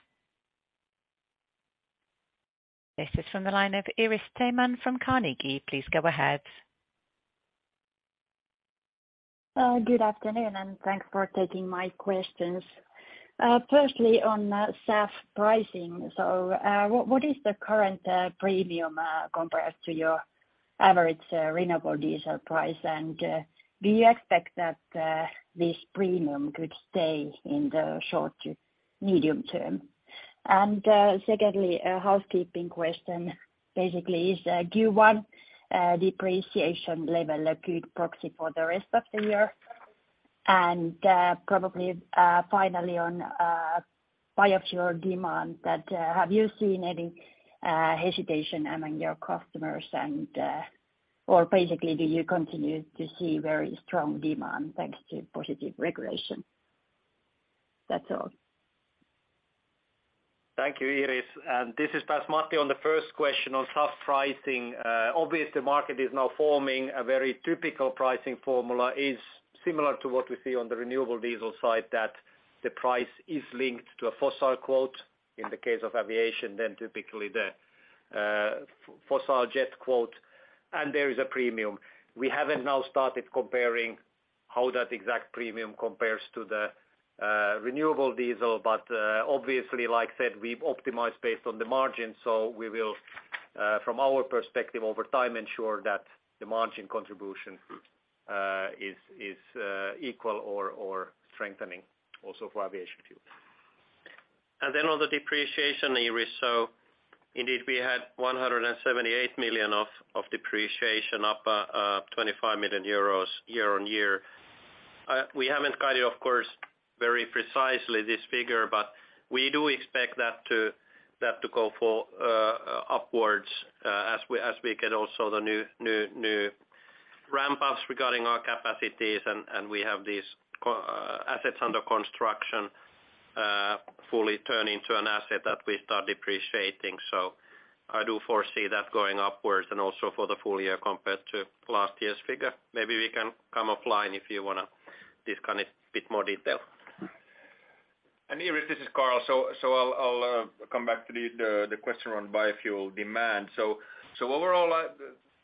This is from the line of Iiris Theman from Carnegie. Please go ahead. Good afternoon, and thanks for taking my questions. Firstly, on SAF pricing. What is the current premium compared to your average renewable diesel price? Do you expect that this premium could stay in the short to medium term? Secondly, a housekeeping question. Basically, is Q1 depreciation level a good proxy for the rest of the year? Probably, finally, on biofuel demand that have you seen any hesitation among your customers or basically, do you continue to see very strong demand thanks to positive regulation? That's all. Thank you, Iiris. This is first Martti on the first question on SAF pricing. obviously market is now forming a very typical pricing formula, is similar to what we see on the renewable diesel side, that the price is linked to a fossil quote. In the case of aviation, typically the fossil jet quote, and there is a premium. We haven't now started comparing how that exact premium compares to the renewable diesel, obviously, like I said, we've optimized based on the margin, so we will from our perspective over time, ensure that the margin contribution is equal or strengthening also for aviation fuel. On the depreciation, Iiris, indeed we had 178 million of depreciation up 25 million euros year-on-year. We haven't guided, of course, very precisely this figure, but we do expect that to go for upwards as we get also the new ramp ups regarding our capacities and we have these assets under construction fully turn into an asset that we start depreciating. I do foresee that going upwards and also for the full year compared to last year's figure. Maybe we can come offline if you wanna discuss it bit more detail. Iiris, this is Carl. I'll come back to the question around biofuel demand. Overall,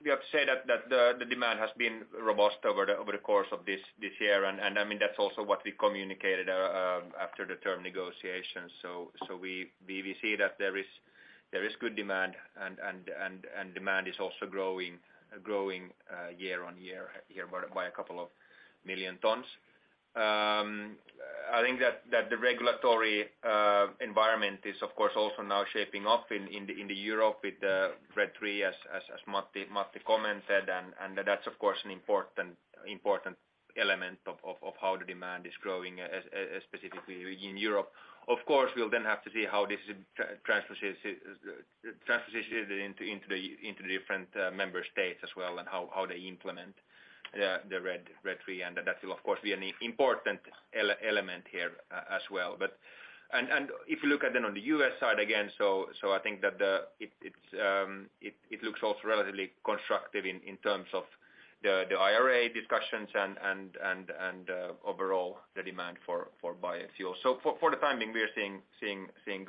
we have to say that the demand has been robust over the course of this year. I mean, that's also what we communicated after the term negotiations. We see that there is good demand and demand is also growing year on year by a couple of million tons. I think that the regulatory environment is of course also now shaping up in Europe with RED III as Matti commented. That's of course an important element of how the demand is growing specifically in Europe.Of course, we'll then have to see how this transposes into the different member states as well and how they implement the RED III, and that will of course be an important element here as well. If you look at then on the U.S. side again, I think that it's, it looks also relatively constructive in terms of the IRA discussions and overall the demand for biofuels. For the time being, we are seeing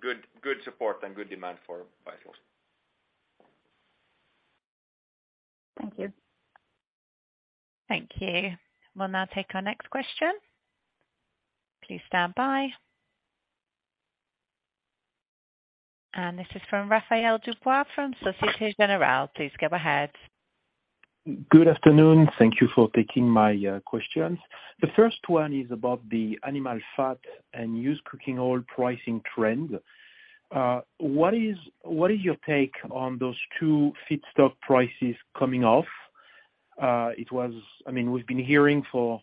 good support and good demand for biofuels. Thank you. Thank you. We'll now take our next question. Please stand by. This is from Raphaël Dubois from Société Générale. Please go ahead. Good afternoon. Thank you for taking my questions. The first one is about the animal fat and used cooking oil pricing trend. What is your take on those two feedstock prices coming off? I mean, we've been hearing for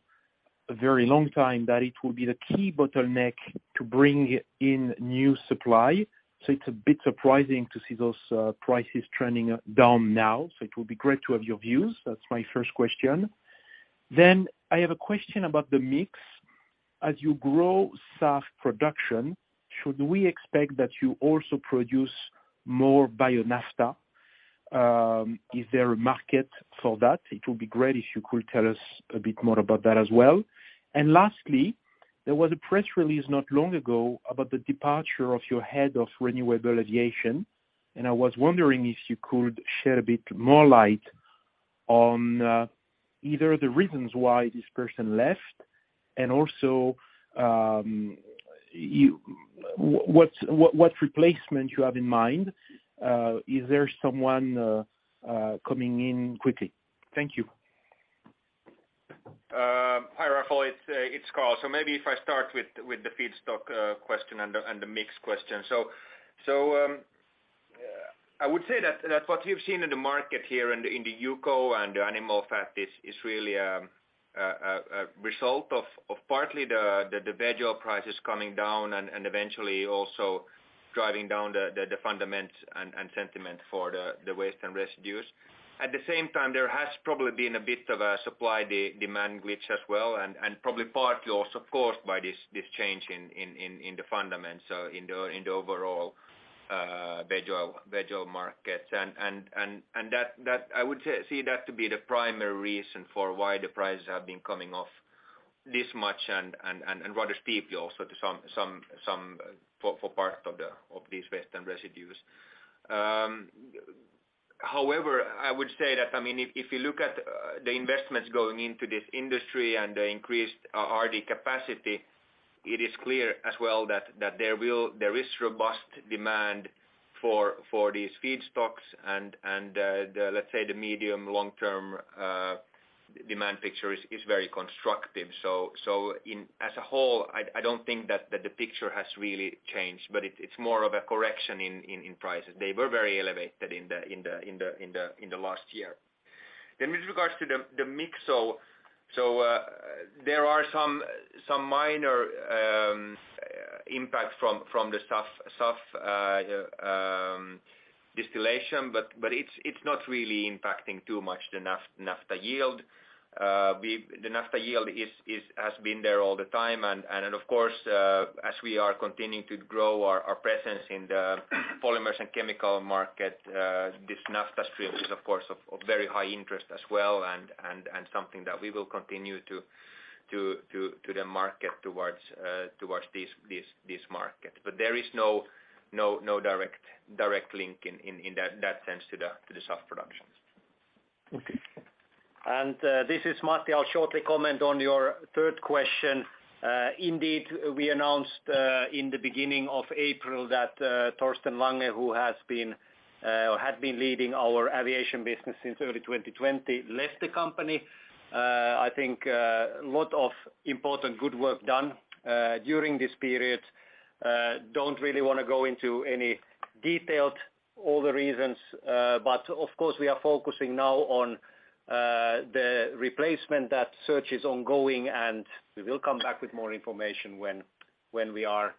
a very long time that it will be the key bottleneck to bring in new supply, so it's a bit surprising to see those prices trending down now. It will be great to have your views. That's my first question. I have a question about the mix. As you grow SAF production, should we expect that you also produce more bio naphtha? Is there a market for that? It will be great if you could tell us a bit more about that as well. Lastly, there was a press release not long ago about the departure of your head of Renewable Aviation, and I was wondering if you could shed a bit more light on either the reasons why this person left and also, what replacement you have in mind. Is there someone coming in quickly? Thank you. Hi, Raphaël. It's Carl. Maybe if I start with the feedstock question and the mix question. I would say that what we've seen in the market here in the UCO and the animal fat is really a result of partly the veg-oil prices coming down and eventually also driving down the fundamentals and sentiment for the waste and residues. At the same time, there has probably been a bit of a supply de-demand glitch as well, and probably partly also caused by this change in the fundamentals, so in the overall veg-oil markets. That I would see that to be the primary reason for why the prices have been coming off this much and rather steeply also to some for part of these waste and residues. I would say that, I mean, if you look at the investments going into this industry and the increased RD capacity, it is clear as well that there is robust demand for these feedstocks and the, let's say the medium, long-term demand picture is very constructive. In, as a whole, I don't think that the picture has really changed, but it's more of a correction in prices. They were very elevated in the last year. With regards to the mix, so, there are some minor impacts from the SAF distillation, but it's not really impacting too much the naphtha yield. The naphtha yield is has been there all the time. Of course, as we are continuing to grow our presence in the polymers and chemical market, this naphtha stream is of very high interest as well and something that we will continue to market towards this market. There is no direct link in that sense to the SAF productions. Okay. This is Matti. I'll shortly comment on your third question. Indeed, we announced in the beginning of April that Thorsten Lange, who has been or had been leading our aviation business since early 2020, left the company. I think a lot of important good work done during this period. Don't really wanna go into any detailed all the reasons. Of course we are focusing now on the replacement. That search is ongoing, and we will come back with more information when we are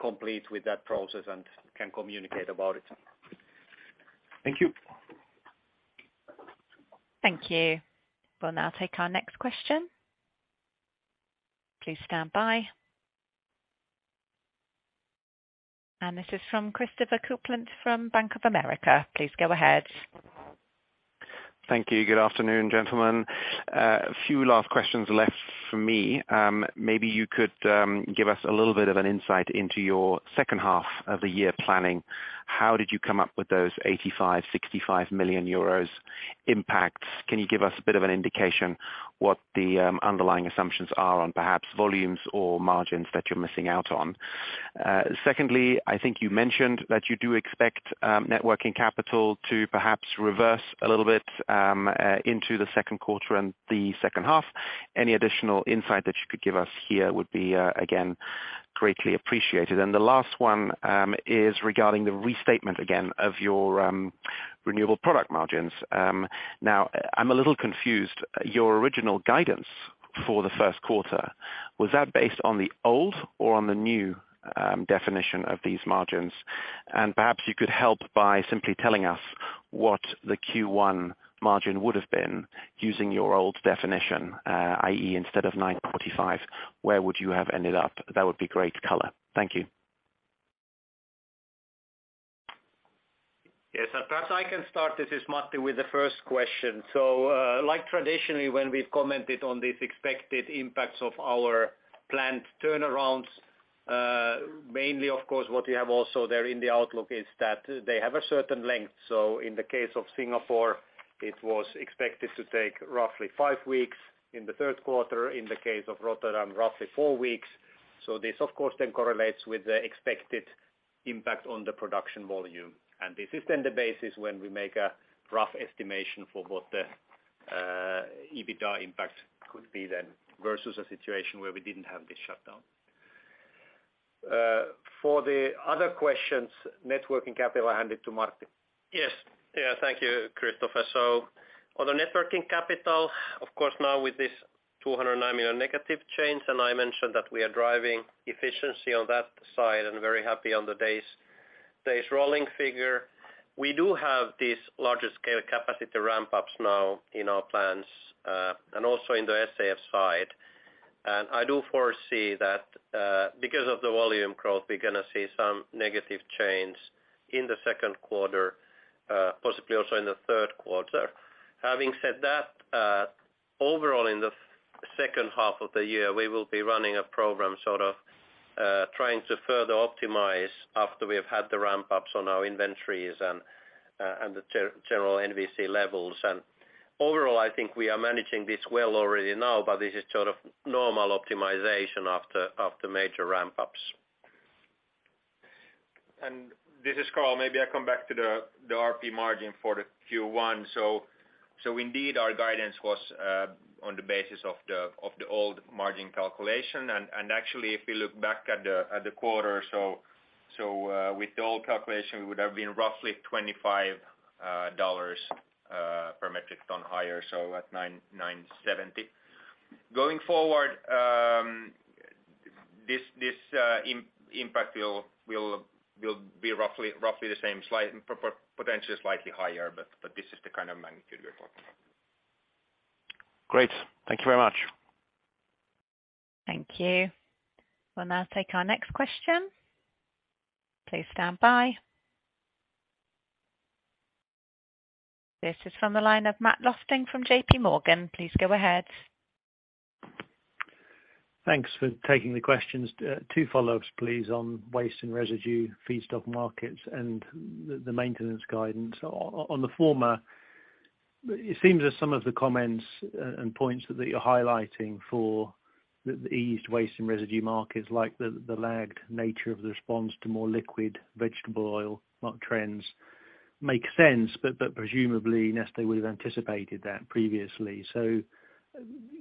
complete with that process and can communicate about it. Thank you. Thank you. We'll now take our next question. Please stand by. This is from Christopher Kuplent from Bank of America. Please go ahead. Thank you. Good afternoon, gentlemen. A few last questions left from me. Maybe you could give us a little bit of an insight into your second half of the year planning. How did you come up with those 85, 65 million euros impacts? Can you give us a bit of an indication what the underlying assumptions are on perhaps volumes or margins that you're missing out on? Secondly, I think you mentioned that you do expect NWC to perhaps reverse a little bit into the second quarter and the second half. Any additional insight that you could give us here would be again, greatly appreciated. The last one is regarding the restatement again of your renewable product margins. Now I'm a little confused. Your original guidance for the first quarter, was that based on the old or on the new definition of these margins? Perhaps you could help by simply telling us what the Q1 margin would have been using your old definition, i.e. instead of $945, where would you have ended up? That would be great color. Thank you. Yes, perhaps I can start, this is Matti, with the first question. Like traditionally when we've commented on these expected impacts of our planned turnarounds, mainly of course what we have also there in the outlook is that they have a certain length. In the case of Singapore, it was expected to take roughly five weeks in the third quarter, in the case of Rotterdam, roughly four weeks. This of course then correlates with the expected impact on the production volume. This is then the basis when we make a rough estimation for what the EBITDA impact could be then versus a situation where we didn't have this shutdown. For the other questions, net working capital, I'll hand it to Martti. Yes. Yeah. Thank you, Christopher. On the net working capital, of course now with this 209 million negative change, and I mentioned that we are driving efficiency on that side and very happy on the days rolling figure. We do have these larger scale capacity ramp-ups now in our plans, and also in the SAF side. I do foresee that, because of the volume growth, we're gonna see some negative change in the second quarter, possibly also in the third quarter. Having said that, overall in the second half of the year, we will be running a program sort of, trying to further optimize after we have had the ramp-ups on our inventories and the general NWC levels. Overall, I think we are managing this well already now, but this is sort of normal optimization after major ramp-ups. This is Carl. Maybe I come back to the RP margin for the Q1. Indeed our guidance was on the basis of the old margin calculation. Actually, if you look back at the quarter, with the old calculation, it would have been roughly $25 per metric ton higher, so at $970. Going forward, this impact will be roughly the same, potentially slightly higher, but this is the kind of magnitude we're talking about. Great. Thank you very much. Thank you. We'll now take our next question. Please stand by. This is from the line of Matt Lofting from JPMorgan. Please go ahead. Thanks for taking the questions. Two follow-ups, please, on waste and residue feedstock markets and the maintenance guidance. On the former, it seems that some of the comments and points that you're highlighting for the eased waste and residue markets, like the lagged nature of the response to more liquid vegetable oil market trends make sense, but presumably, Neste would have anticipated that previously. So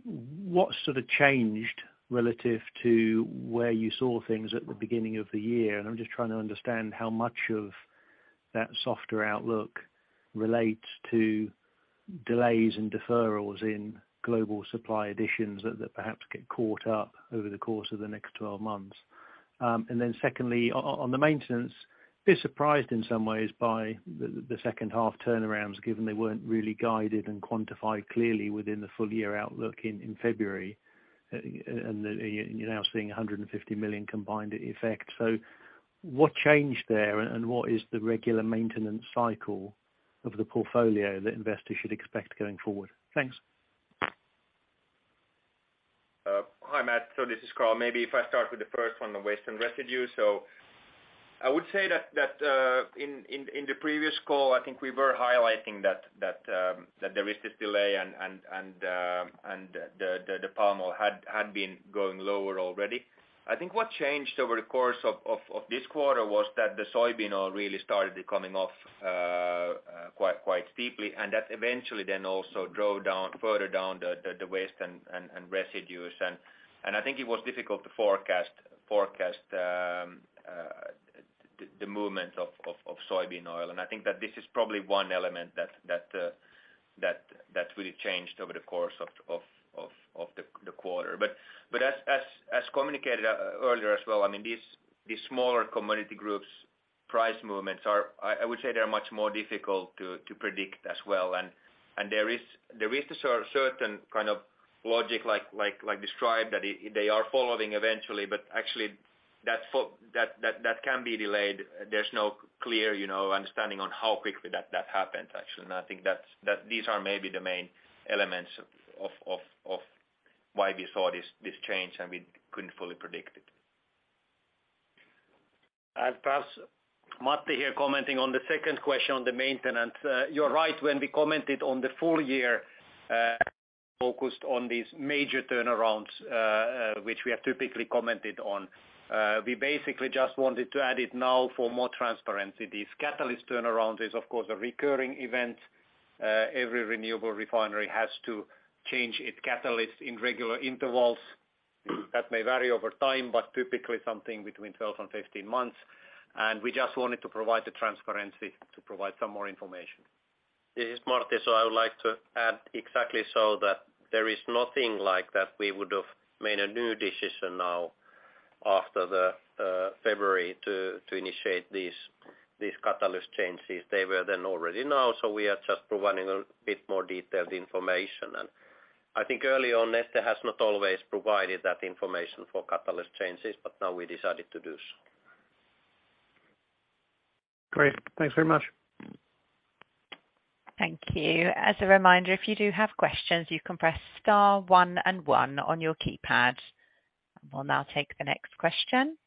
what sort of changed relative to where you saw things at the beginning of the year? And I'm just trying to understand how much of that softer outlook relates to delays and deferrals in global supply additions that perhaps get caught up over the course of the next 12 months. Secondly, on the maintenance, a bit surprised in some ways by the second half turnarounds, given they weren't really guided and quantified clearly within the full year outlook in February, and that you're now seeing 150 million combined effect. What changed there? What is the regular maintenance cycle of the portfolio that investors should expect going forward? Thanks. Hi, Matt. This is Carl. Maybe if I start with the first one on waste and residue. I would say that, in the previous call, I think we were highlighting that there is this delay and the palm oil had been going lower already. I think what changed over the course of this quarter was that the soybean oil really started coming off, quite steeply, and that eventually then also drove down, further down the waste and residues. I think it was difficult to forecast, the movement of soybean oil. I think that this is probably one element that really changed over the course of the quarter. As communicated earlier as well, I mean, these smaller commodity groups' price movements are, I would say they are much more difficult to predict as well. There is a certain kind of logic like described that they are following eventually, but actually that can be delayed. There's no clear, you know, understanding on how quickly that happens, actually. I think that these are maybe the main elements of why we saw this change, and we couldn't fully predict it. Perhaps Matti here commenting on the second question on the maintenance. You're right, when we commented on the full year, focused on these major turnarounds, which we have typically commented on. We basically just wanted to add it now for more transparency. This catalyst turnaround is, of course, a recurring event. Every renewable refinery has to change its catalyst in regular intervals. That may vary over time, but typically something between 12 and 15 months. We just wanted to provide the transparency to provide some more information. This is Martti. I would like to add exactly so that there is nothing like that we would have made a new decision now after the February to initiate these catalyst changes. They were then already known, we are just providing a bit more detailed information. I think early on, Neste has not always provided that information for catalyst changes, but now we decided to do so. Great. Thanks very much. Thank you. As a reminder, if you do have questions, you can press star one and one on your keypad. We'll now take the next question.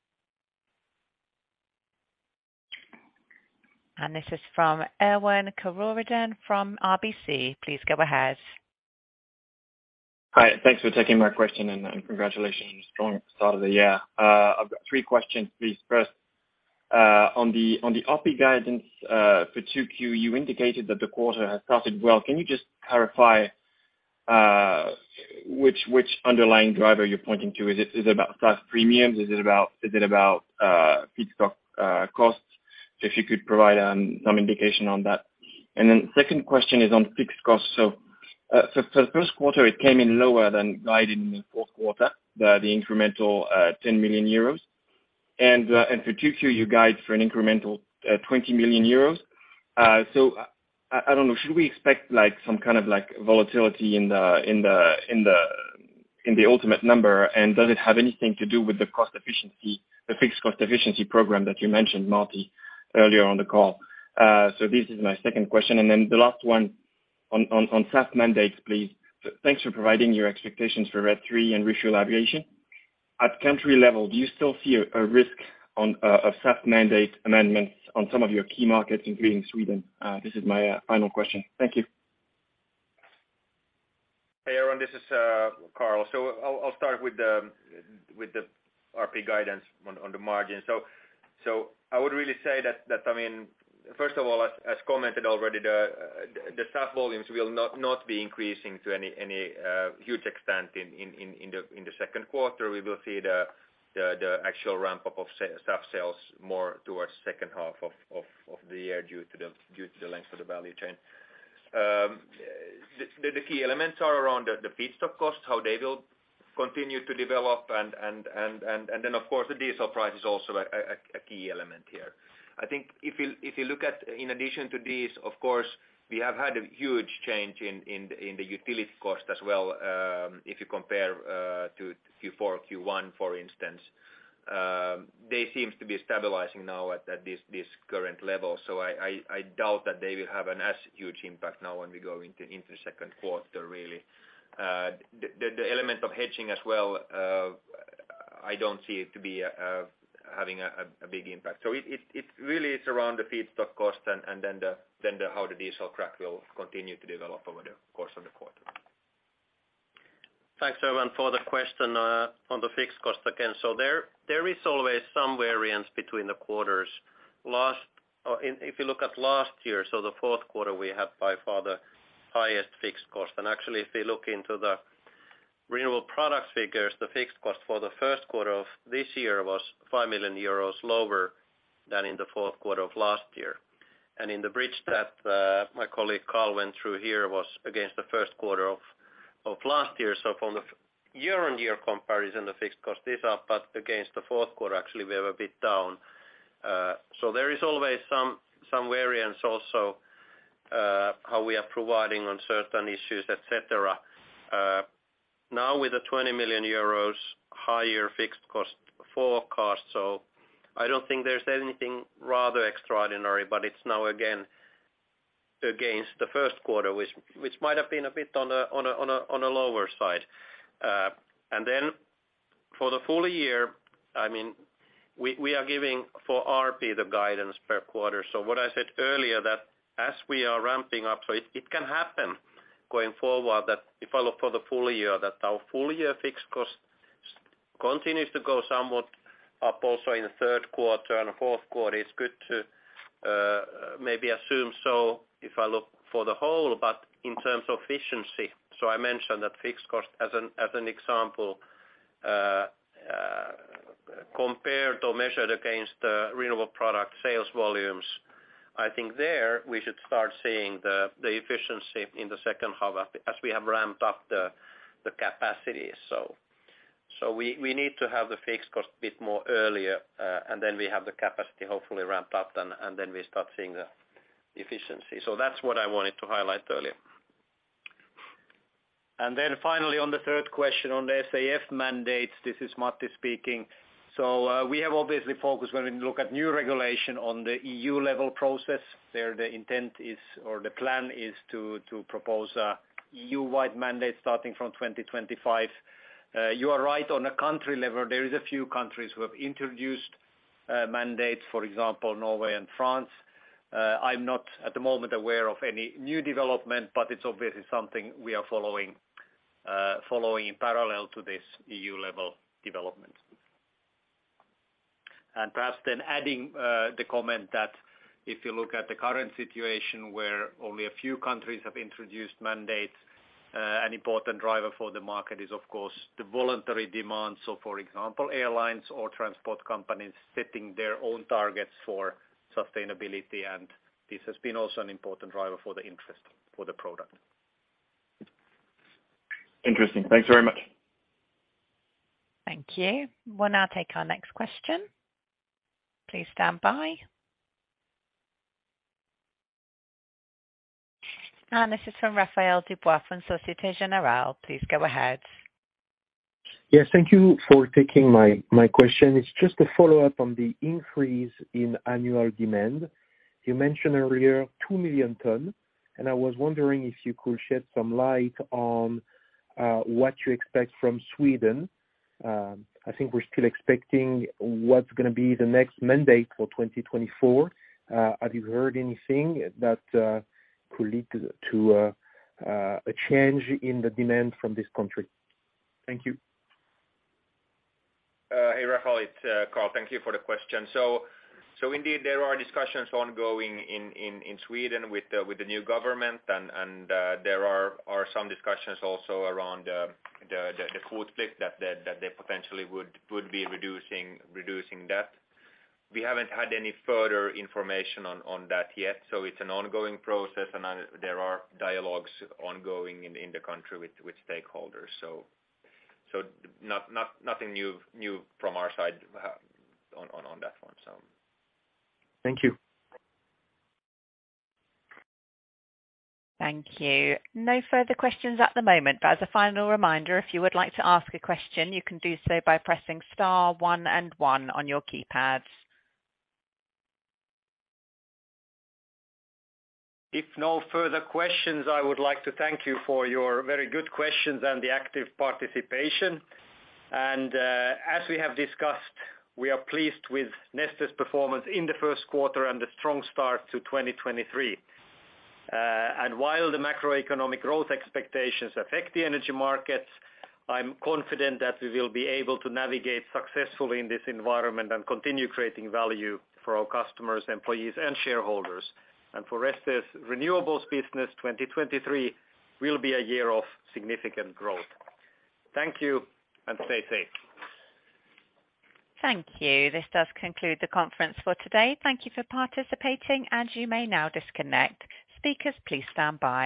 This is from Erwan Kerouredan from RBC. Please go ahead. Hi. Thanks for taking my question, and congratulations on the strong start of the year. I've got three questions, please. First, on the OP guidance, for 2Q, you indicated that the quarter has started well. Can you just clarify which underlying driver you're pointing to? Is it about class premiums? Is it about feedstock costs? If you could provide some indication on that. Second question is on fixed costs. For the first quarter, it came in lower than guided in the fourth quarter, the incremental 10 million euros. For 2Q, you guide for an incremental 20 million euros. I don't know, should we expect like some kind of like volatility in the ultimate number? Does it have anything to do with the cost efficiency, the fixed cost efficiency program that you mentioned, Martti, earlier on the call? This is my second question. Then the last one on SAF mandates, please. Thanks for providing your expectations for RED III and ReFuelEU Aviation. At country level, do you still see a risk of SAF mandate amendments on some of your key markets, including Sweden? This is my final question. Thank you. Hey, Erwan, this is Carl. I'll start with the RP guidance on the margin. I would really say that I mean, first of all, as commented already, the SAF volumes will not be increasing to any huge extent in the second quarter. We will see the actual ramp up of SAF sales more towards second half of the year due to the length of the value chain. The key elements are around the feedstock costs, how they will continue to develop and then of course, the diesel price is also a key element here. I think if you look at in addition to these, of course, we have had a huge change in the utility cost as well, if you compare to Q4, Q1, for instance. They seems to be stabilizing now at this current level. I doubt that they will have an as huge impact now when we go into 2Q, really. The element of hedging as well, I don't see it to be having a big impact. It really is around the feedstock cost and then the how the diesel crack will continue to develop over the course of the quarter. Thanks, Erwan, for the question on the fixed cost again. There is always some variance between the quarters. If you look at last year, the fourth quarter we have by far the highest fixed cost. Actually, if we look into the renewable products figures, the fixed cost for the first quarter of this year was 5 million euros lower than in the fourth quarter of last year. In the bridge that my colleague Carl went through here was against the first quarter of last year. From the year-on-year comparison, the fixed cost is up, but against the fourth quarter, actually we are a bit down. There is always some variance also how we are providing on certain issues, et cetera. Now with a 20 million euros higher fixed cost forecast, I don't think there's anything rather extraordinary, it's now again against the first quarter which might have been a bit on a lower side. For the full year, I mean, we are giving for RP the guidance per quarter. What I said earlier that as we are ramping up, it can happen going forward that if I look for the full year, that our full year fixed cost continues to go somewhat up also in the third quarter and fourth quarter, it's good to maybe assume if I look for the whole. In terms of efficiency, I mentioned that fixed cost as an example, compared or measured against renewable product sales volumes. I think there we should start seeing the efficiency in the second half as we have ramped up the capacity. We need to have the fixed cost bit more earlier, and then we have the capacity hopefully ramped up, and then we start seeing the efficiency. That's what I wanted to highlight earlier. Finally, on the third question on the SAF mandates, this is Matti speaking. We have obviously focused when we look at new regulation on the EU level process, there the intent is, or the plan is to propose a EU-wide mandate starting from 2025. You are right, on a country level, there is a few countries who have introduced mandates, for example, Norway and France. I'm not at the moment aware of any new development, but it's obviously something we are following in parallel to this EU level development. Perhaps then adding the comment that if you look at the current situation where only a few countries have introduced mandates, an important driver for the market is of course the voluntary demand. For example, airlines or transport companies setting their own targets for sustainability, and this has been also an important driver for the interest for the product. Interesting. Thanks very much. Thank you. We'll now take our next question. Please stand by. This is from Raphaël Dubois from Société Générale. Please go ahead. Yes, thank you for taking my question. It's just a follow-up on the increase in annual demand. You mentioned earlier 2 million ton, and I was wondering if you could shed some light on what you expect from Sweden. I think we're still expecting what's gonna be the next mandate for 2024. Have you heard anything that could lead to a change in the demand from this country? Thank you. Hey, Raphaël, it's Carl. Thank you for the question. Indeed there are discussions ongoing in Sweden with the new government and there are some discussions also around the cold split that they potentially would be reducing that. We haven't had any further information on that yet, so it's an ongoing process and there are dialogues ongoing in the country with stakeholders. Nothing new from our side on that one. Thank you. Thank you. No further questions at the moment. As a final reminder, if you would like to ask a question, you can do so by pressing star one and one on your keypads. If no further questions, I would like to thank you for your very good questions and the active participation. As we have discussed, we are pleased with Neste's performance in the first quarter and the strong start to 2023. While the macroeconomic growth expectations affect the energy markets, I'm confident that we will be able to navigate successfully in this environment and continue creating value for our customers, employees, and shareholders. For rest of renewables business, 2023 will be a year of significant growth. Thank you, and stay safe. Thank you. This does conclude the conference for today. Thank you for participating. You may now disconnect. Speakers, please stand by.